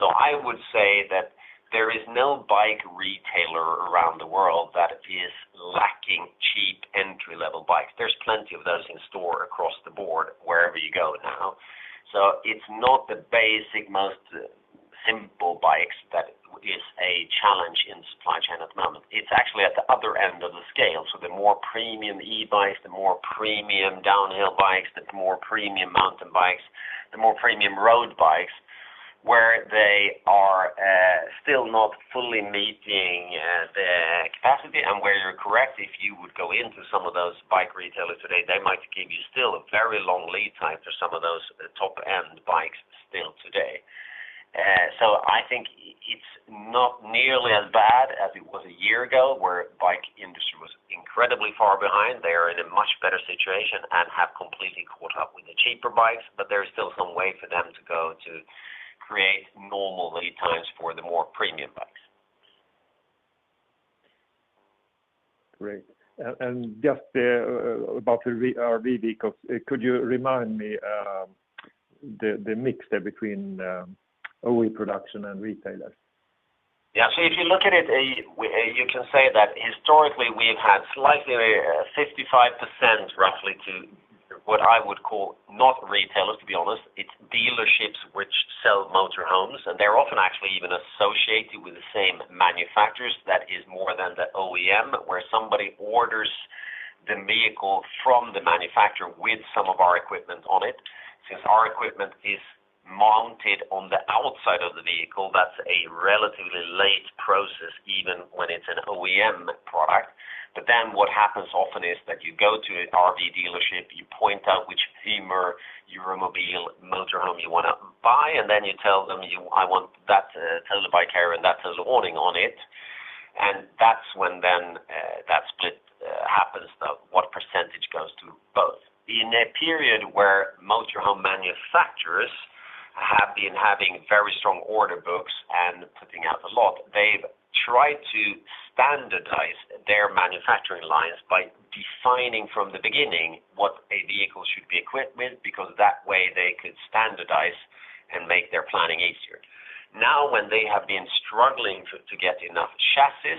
I would say that there is no bike retailer around the world that is lacking cheap entry-level bikes. There's plenty of those in store across the board wherever you go now. It's not the basic most simple bikes that is a challenge in supply chain at the moment. It's actually at the other end of the scale. The more premium e-bikes, the more premium downhill bikes, the more premium mountain bikes, the more premium road bikes, where they are still not fully meeting the capacity. Where you're correct, if you would go into some of those bike retailers today, they might give you still a very long lead time for some of those top-end bikes still today. I think it's not nearly as bad as it was a year ago, where bike industry was incredibly far behind. They are in a much better situation and have completely caught up with the cheaper bikes, but there's still some way for them to go to create normal lead times for the more premium bikes. Great. Just about the RV vehicles, could you remind me the mix there between OEM production and retailers? Yeah. If you look at it, you can say that historically we've had slightly 55% roughly to what I would call not retailers, to be honest. It's dealerships which sell motor homes, and they're often actually even associated with the same manufacturers. That is more than the OEM, where somebody orders the vehicle from the manufacturer with some of our equipment on it. Since our equipment is mounted on the outside of the vehicle, that's a relatively late process, even when it's an OEM product. What happens often is that you go to an RV dealership, you point out which Hymer Eura Mobil motor home you wanna buy, and then you tell them, "I want that Thule bike carrier and that Thule awning on it." That's when that split happens, that what percentage goes to both. In a period where motor home manufacturers have been having very strong order books and putting out a lot, they've tried to standardize their manufacturing lines by defining from the beginning what a vehicle should be equipped with, because that way they could standardize and make their planning easier. Now, when they have been struggling to get enough chassis,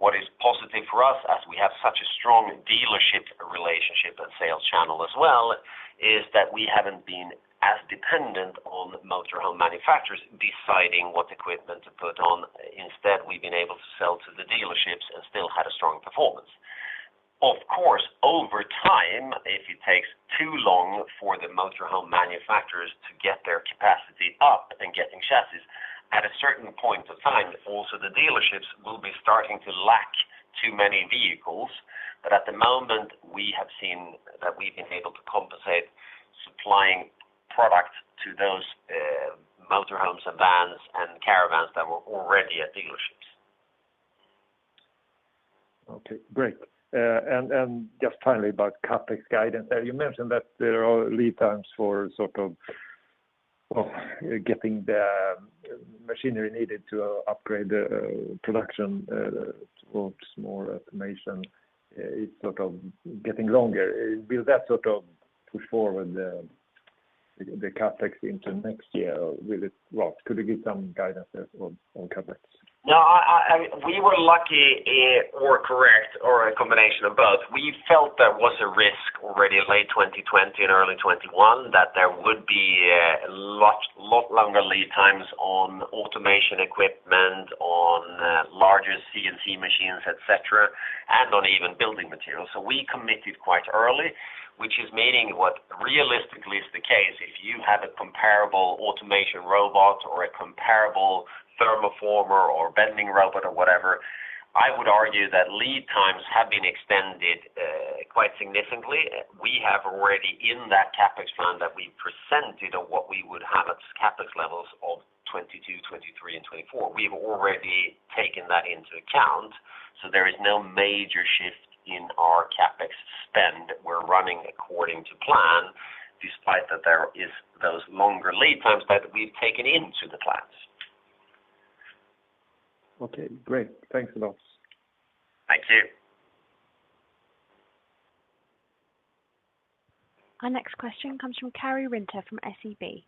what is positive for us, as we have such a strong dealership relationship and sales channel as well, is that we haven't been as dependent on motor home manufacturers deciding what equipment to put on. Instead, we've been able to sell to the dealerships and still had a strong performance. Of course, over time, if it takes too long for the motor home manufacturers to get their capacity up and getting chassis, at a certain point of time, also the dealerships will be starting to lack too many vehicles. At the moment, we have seen that we've been able to compensate supplying product to those motor homes and vans and caravans that were already at dealerships. Okay, great. Just finally about CapEx guidance. You mentioned that there are lead times for sort of getting the machinery needed to upgrade the production towards more automation. It's sort of getting longer. Will that sort of push forward the CapEx into next year, or will it? Well, could you give some guidance there on CapEx? No, I. We were lucky or correct or a combination of both. We felt there was a risk already late 2020 and early 2021 that there would be a lot longer lead times on automation equipment, on larger CNC machines, et cetera, and on even building materials. We committed quite early, which is meaning what realistically is the case. If you have a comparable automation robot or a comparable thermoformer or bending robot or whatever, I would argue that lead times have been extended quite significantly. We have already in that CapEx plan that we presented on what we would have as CapEx levels of 2022, 2023, and 2024. We've already taken that into account, so there is no major shift in our CapEx spend. We're running according to plan, despite that there is those longer lead times that we've taken into the plans. Okay, great. Thanks a lot. Thank you. Our next question comes from Kari Rinta from SEB.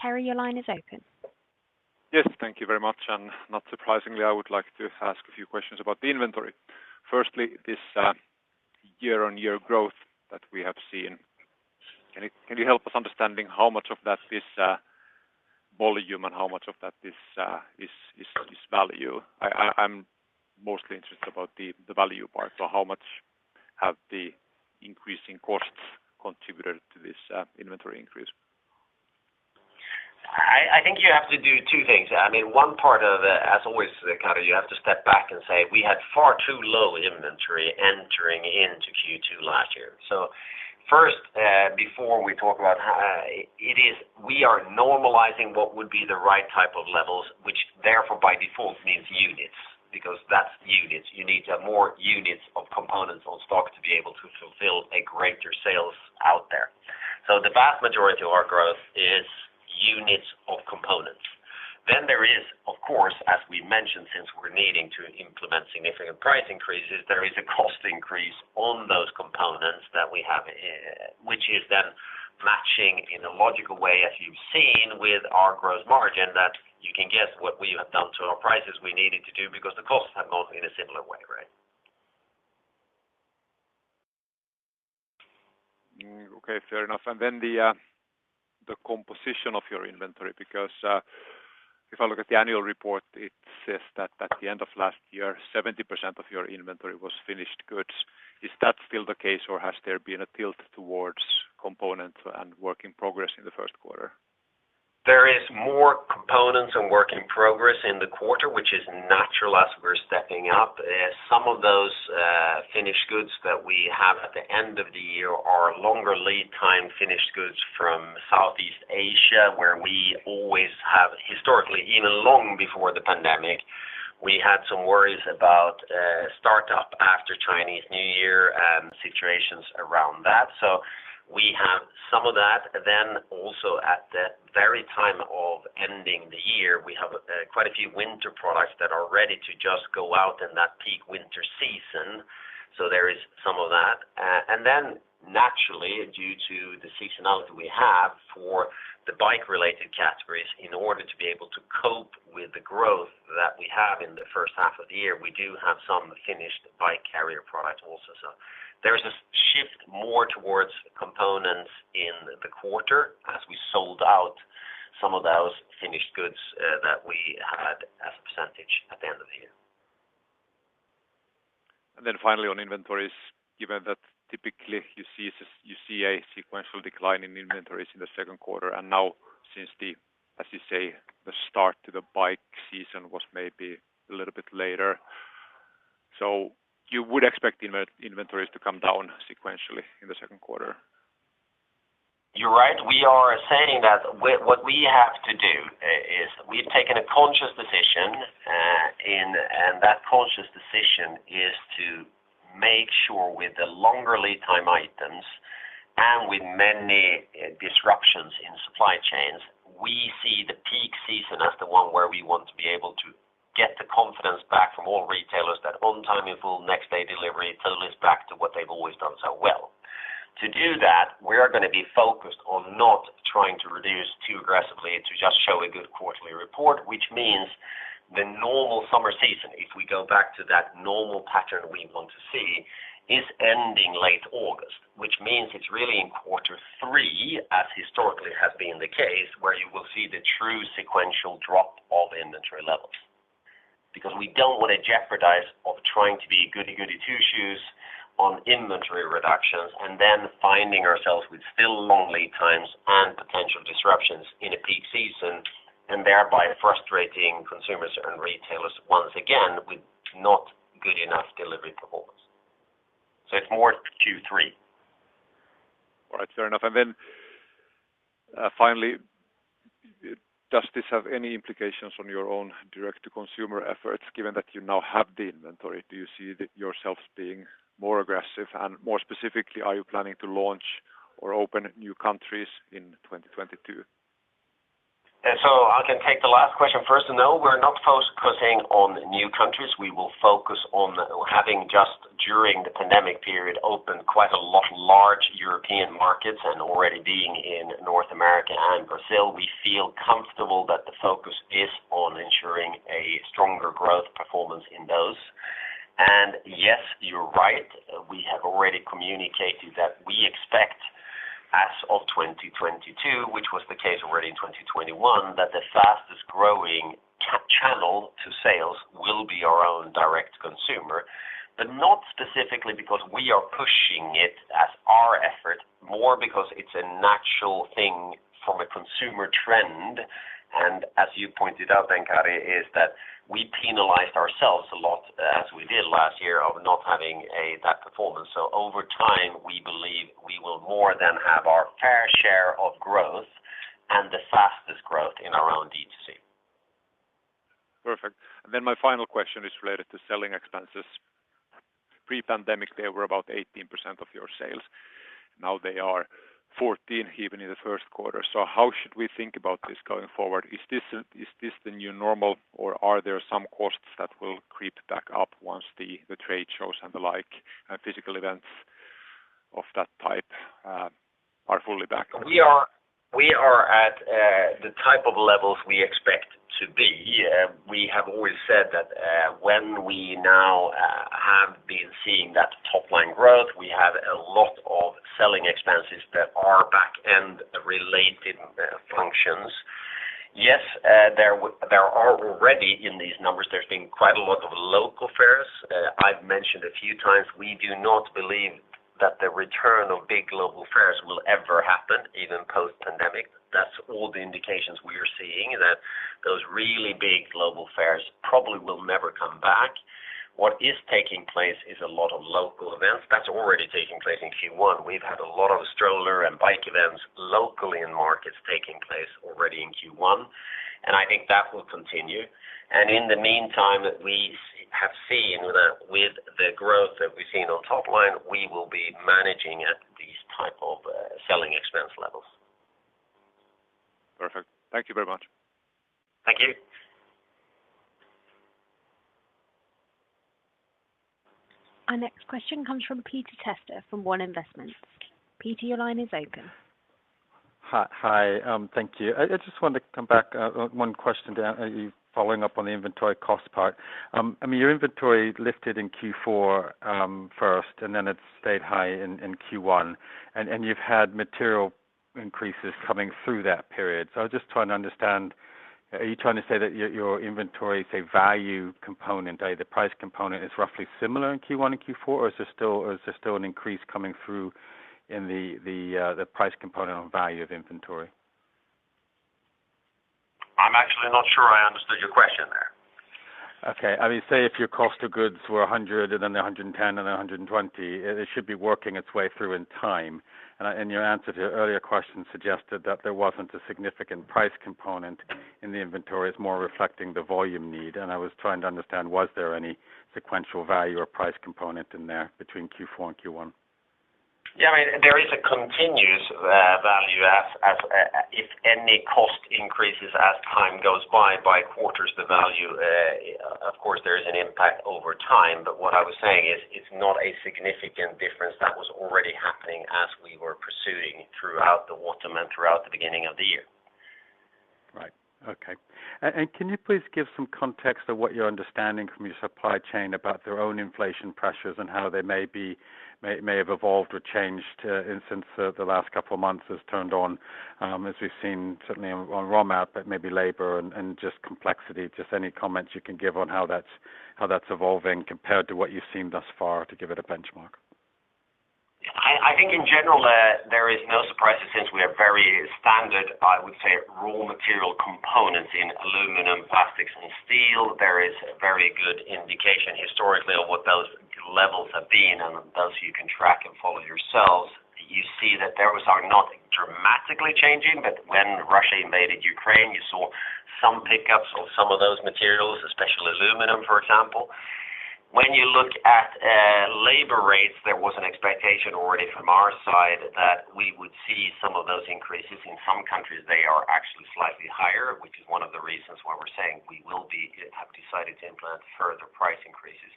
Kari, your line is open. Yes, thank you very much. Not surprisingly, I would like to ask a few questions about the inventory. Firstly, this year-on-year growth that we have seen. Can you help us understand how much of that is volume and how much of that is value? I'm mostly interested about the value part. How much have the increasing costs contributed to this inventory increase? I think you have to do two things. I mean, one part of it, as always, Kari, you have to step back and say we had far too low inventory entering into Q2 last year. First, before we talk about how it is we are normalizing what would be the right type of levels, which therefore by default means units, because that's units. You need to have more units of components on stock to be able to fulfill a greater sales out there. The vast majority of our growth is units of components. There is, of course, as we mentioned, since we're needing to implement significant price increases, there is a cost increase on those components that we have, which is then matching in a logical way, as you've seen with our gross margin, that you can guess what we have done to our prices we needed to do because the costs have moved in a similar way, right? Okay, fair enough. The composition of your inventory, because if I look at the annual report, it says that at the end of last year, 70% of your inventory was finished goods. Is that still the case or has there been a tilt towards components and work in progress in the Q1? There is more components and work in progress in the quarter, which is natural as we're stepping up. Some of those finished goods that we have at the end of the year are longer lead time finished goods from Southeast Asia, where we always have historically, even long before the pandemic, we had some worries about startup after Chinese New Year and situations around that. We have some of that. Also at the very time of ending the year, we have quite a few winter products that are ready to just go out in that peak winter season. There is some of that. Naturally, due to the seasonality we have for the bike-related categories, in order to be able to cope with the growth that we have in the first half of the year, we do have some finished bike carrier product also. There is a shift more towards components in the quarter as we sold out some of those finished goods that we had as a percentage at the end of the year. Finally on inventories, given that typically you see a sequential decline in inventories in the Q2, and now since the, as you say, the start to the bike season was maybe a little bit later, you would expect inventories to come down sequentially in the Q2? You're right. We are saying that what we have to do is we've taken a conscious decision, and that conscious decision is to make sure with the longer lead time items and with many disruptions in supply chains, we see the peak season as the one where we want to be able to get the confidence back from all retailers that on time, in full, next day delivery, total is back to what they've always done so well. To do that, we are gonna be focused on not trying to reduce too aggressively to just show a good quarterly report, which means the normal summer season, if we go back to that normal pattern we want to see, is ending late August, which means it's really in quarter three as historically has been the case, where you will see the true sequential drop of inventory levels. Because we don't want to jeopardize by trying to be goody-goody two-shoes on inventory reductions and then finding ourselves with still long lead times and potential disruptions in a peak season and thereby frustrating consumers and retailers once again with not good enough delivery performance. It's more Q3. All right, fair enough. Finally, does this have any implications on your own direct to consumer efforts given that you now have the inventory? Do you see yourselves being more aggressive? More specifically, are you planning to launch or open new countries in 2022? I can take the last question first. No, we're not focusing on new countries. We will focus on having just during the pandemic period, opened quite a lot large European markets and already being in North America and Brazil, we feel comfortable that the focus is on ensuring a stronger growth performance in those. Yes, you're right. We have already communicated that we expect as of 2022, which was the case already in 2021, that the fastest growing channel to sales will be our own direct consumer. Not specifically because we are pushing it as our effort, more because it's a natural thing from a consumer trend. As you pointed out then, Kari, is that we penalized ourselves a lot as we did last year of not having that performance. Over time, we believe we will more than have our fair share of growth and the fastest growth in our own DTC. Perfect. My final question is related to selling expenses. Pre-pandemic, they were about 18% of your sales. Now they are 14% even in the Q1. How should we think about this going forward? Is this the new normal or are there some costs that will creep back up once the trade shows and the like, physical events resume? Of that type are fully back. We are at the type of levels we expect to be. We have always said that when we now have been seeing that top line growth, we have a lot of selling expenses that are back-end related functions. Yes, there are already in these numbers, there's been quite a lot of local fairs. I've mentioned a few times, we do not believe that the return of big global fairs will ever happen, even post-pandemic. That's all the indications we are seeing, that those really big global fairs probably will never come back. What is taking place is a lot of local events. That's already taking place in Q1. We've had a lot of stroller and bike events locally in markets taking place already in Q1, and I think that will continue. In the meantime that we have seen that with the growth that we've seen on top line, we will be managing at these type of selling expense levels. Perfect. Thank you very much. Thank you. Our next question comes from Peter Testa from One Investments. Peter, your line is open. Hi, hi. Thank you. I just wanted to come back on one question, following up on the inventory cost part. I mean, your inventory lifted in Q4 first, and then it stayed high in Q1. You've had material increases coming through that period. I was just trying to understand, are you trying to say that your inventory, say, value component, the price component is roughly similar in Q1 and Q4, or is there still an increase coming through in the price component on value of inventory? I'm actually not sure I understood your question there. Okay. I mean, say if your cost of goods were 100, and then 110, and 120, it should be working its way through in time. Your answer to your earlier question suggested that there wasn't a significant price component in the inventory. It's more reflecting the volume need. I was trying to understand, was there any sequential value or price component in there between Q4 and Q1? Yeah, I mean, there is a continuous value as if any cost increases as time goes by quarters, the value of course there is an impact over time. But what I was saying is it's not a significant difference that was already happening as we were pursuing throughout the quarter and throughout the beginning of the year. Right. Okay. Can you please give some context of what your understanding from your supply chain about their own inflation pressures and how they may have evolved or changed since the last couple of months have turned out, as we've seen certainly on raw materials, but maybe labor and just complexity. Just any comments you can give on how that's evolving compared to what you've seen thus far to give it a benchmark. I think in general, there is no surprises since we are very standard, I would say, raw material components in aluminum, plastics, and steel. There is very good indication historically on what those levels have been, and those you can track and follow yourselves. You see that those are not dramatically changing, but when Russia invaded Ukraine, you saw some pickups on some of those materials, especially aluminum, for example. When you look at labor rates, there was an expectation already from our side that we would see some of those increases. In some countries, they are actually slightly higher, which is one of the reasons why we're saying we will have decided to implement further price increases.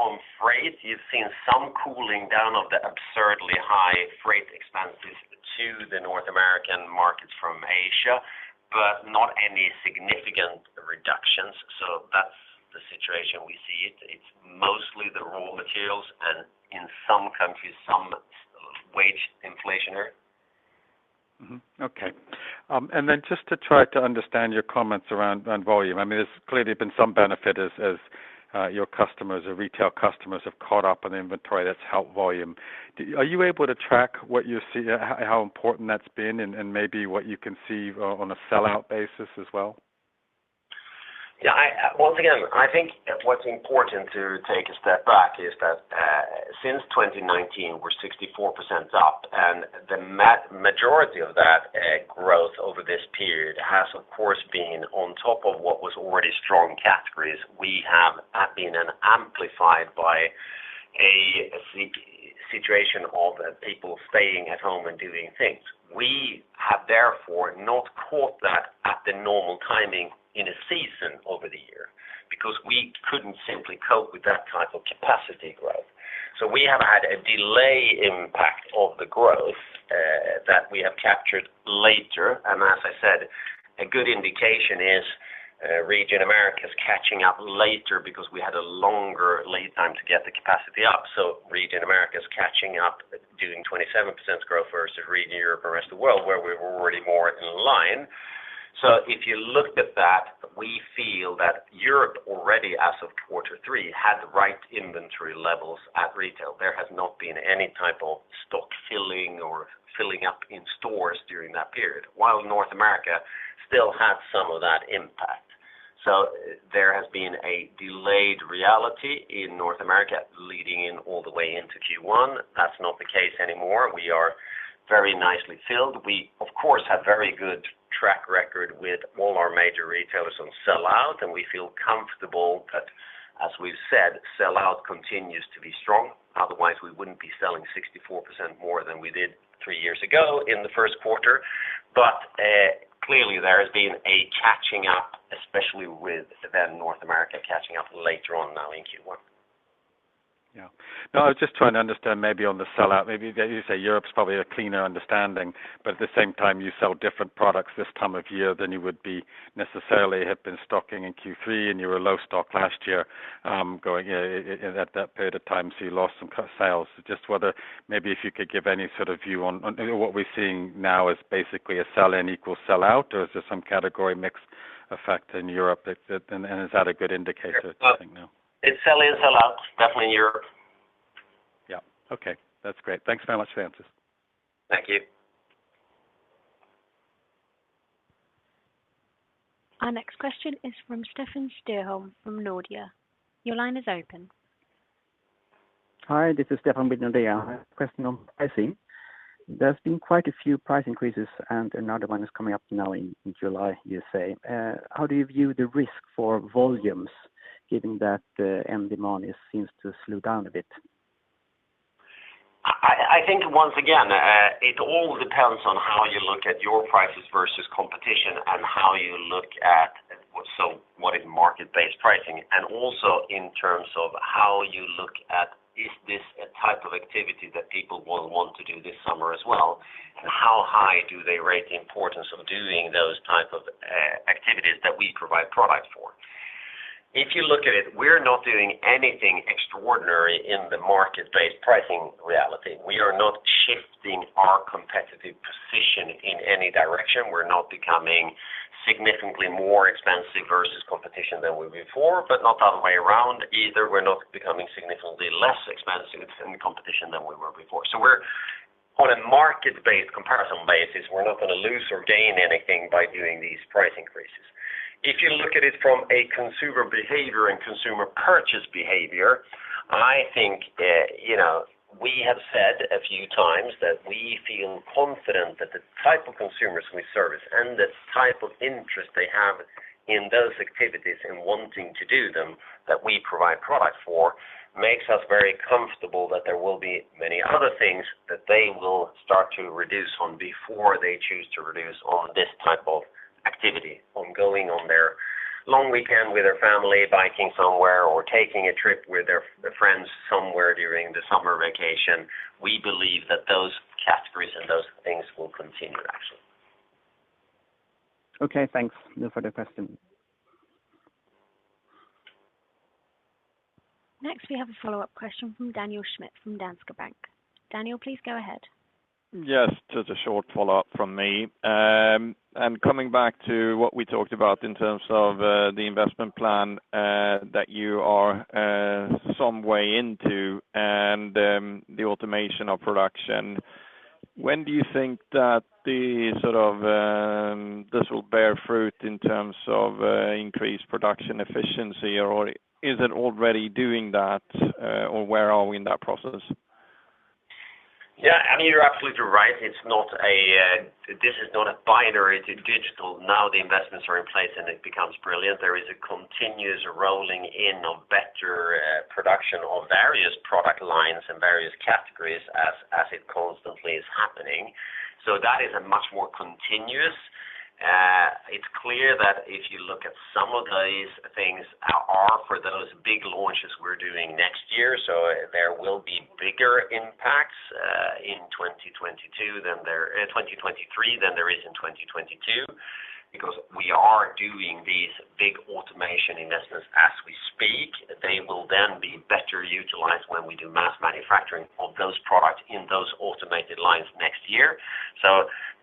On freight, you've seen some cooling down of the absurdly high freight expenses to the North American markets from Asia, but not any significant reductions. That's the situation we see. It's mostly the raw materials and in some countries, some wage inflation. Mm-hmm. Okay. Just to try to understand your comments around on volume, I mean, there's clearly been some benefit as your customers or retail customers have caught up on the inventory. That's helped volume. Are you able to track what you see, how important that's been and maybe what you can see on a sellout basis as well? Once again, I think what's important to take a step back is that since 2019, we're 64% up, and the majority of that growth over this period has, of course, been on top of what was already strong categories. We have been amplified by a situation of people staying at home and doing things. We have therefore not caught that at the normal timing in a season over the year because we couldn't simply cope with that type of capacity growth. We have had a delay impact of the growth that we have captured later. As I said, a good indication is region Americas catching up later because we had a longer lead time to get the capacity up. Region Americas catching up doing 27% growth versus Region Europe and Rest of World where we're already more in line. If you looked at that, we feel that Europe already as of quarter three had the right inventory levels at retail. There has not been any type of stock filling or filling up in stores during that period, while North America still had some of that impact. There has been a delayed reality in North America leading in all the way into Q1. That's not the case anymore. We are very nicely filled. We, of course, have very good track record with all our major retailers on sellout, and we feel comfortable that, as we've said, sellout continues to be strong. Otherwise, we wouldn't be selling 64% more than we did three years ago in the Q1. Clearly there has been a catching up, with North America catching up later on now in Q1. Yeah, no, I was just trying to understand maybe on the sellout, maybe that you say Europe's probably a cleaner understanding, but at the same time, you sell different products this time of year than you would be necessarily have been stocking in Q3, and you were low stock last year, going in at that period of time, so you lost some sales. Just whether maybe if you could give any sort of view on what we're seeing now is basically a sell-in equals sellout, or is there some category mix effect in Europe that. Is that a good indicator to think now? It's sell-in, sell-out definitely in Europe. Yeah. Okay. That's great. Thanks very much for the answers. Thank you. Our next question is from Stefan Stjernholm from Nordea. Your line is open. Hi, this is Stefan with Nordea. I have a question on pricing. There's been quite a few price increases, and another one is coming up now in July, you say. How do you view the risk for volumes given that end demand seems to slow down a bit? I think once again, it all depends on how you look at your prices versus competition and how you look at what is market-based pricing and also in terms of how you look at, is this a type of activity that people will want to do this summer as well? How high do they rate the importance of doing those type of activities that we provide products for? If you look at it, we're not doing anything extraordinary in the market-based pricing reality. We are not shifting our competitive position in any direction. We're not becoming significantly more expensive versus competition than we were before, but not the other way around either. We're not becoming significantly less expensive than the competition than we were before. We're on a market-based comparison basis, not gonna lose or gain anything by doing these price increases. If you look at it from a consumer behavior and consumer purchase behavior, I think, you know, we have said a few times that we feel confident that the type of consumers we service and the type of interest they have in those activities and wanting to do them, that we provide product for, makes us very comfortable that there will be many other things that they will start to reduce on before they choose to reduce on this type of activity, on going on their long weekend with their family, biking somewhere or taking a trip with their friends somewhere during the summer vacation. We believe that those categories and those things will continue to actually. Okay, thanks. No further question. Next, we have a follow-up question from Daniel Schmidt from Danske Bank. Daniel, please go ahead. Yes, just a short follow-up from me. Coming back to what we talked about in terms of the investment plan that you are some way into and the automation of production. When do you think that the sort of this will bear fruit in terms of increased production efficiency or is it already doing that or where are we in that process? Yeah, I mean, you're absolutely right. This is not a binary to digital. Now the investments are in place, and it becomes brilliant. There is a continuous rolling in of better production of various product lines and various categories as it constantly is happening. That is a much more continuous. It's clear that if you look at some of these things are for those big launches we're doing next year, there will be bigger impacts in 2023 than there is in 2022 because we are doing these big automation investments as we speak. They will then be better utilized when we do mass manufacturing of those products in those automated lines next year.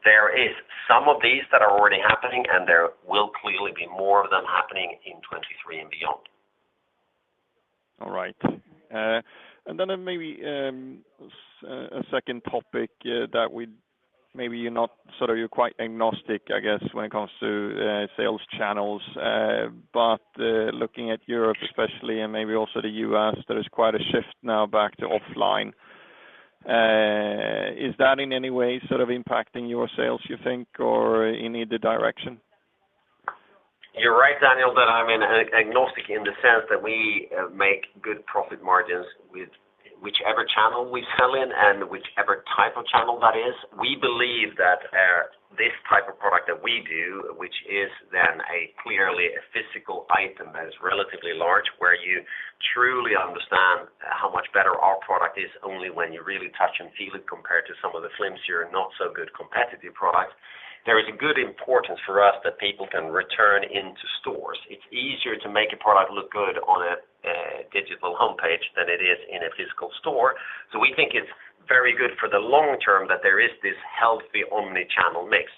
There is some of these that are already happening, and there will clearly be more of them happening in 2023 and beyond. All right. Maybe a second topic that you're quite agnostic, I guess, when it comes to sales channels. Looking at Europe especially and maybe also the U.S., there is quite a shift now back to offline. Is that in any way sort of impacting your sales, you think, or in either direction? You're right, Daniel, that I'm an agnostic in the sense that we make good profit margins with whichever channel we sell in and whichever type of channel that is. We believe that this type of product that we do, which is then a clearly physical item that is relatively large, where you truly understand how much better our product is only when you really touch and feel it compared to some of the flimsier, not so good competitive products. There is a good importance for us that people can return to stores. It's easier to make a product look good on a digital homepage than it is in a physical store. We think it's very good for the long term that there is this healthy omni-channel mix.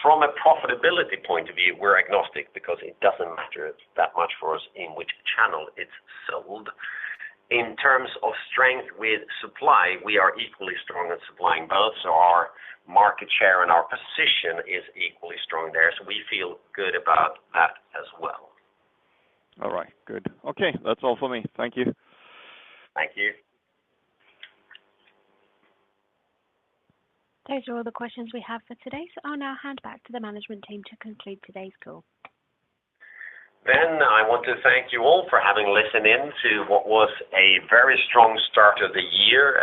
From a profitability point of view, we're agnostic because it doesn't matter that much for us in which channel it's sold. In terms of strength with supply, we are equally strong at supplying both our market share and our position is equally strong there. We feel good about that as well. All right, good. Okay. That's all for me. Thank you. Thank you. Those are all the questions we have for today. I'll now hand back to the management team to conclude today's call. I want to thank you all for having listened in to what was a very strong start of the year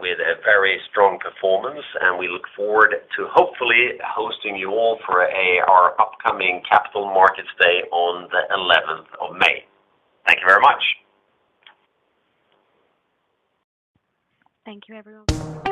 with a very strong performance, and we look forward to hopefully hosting you all for our upcoming Capital Markets Day on the 11th of May. Thank you very much. Thank you, everyone.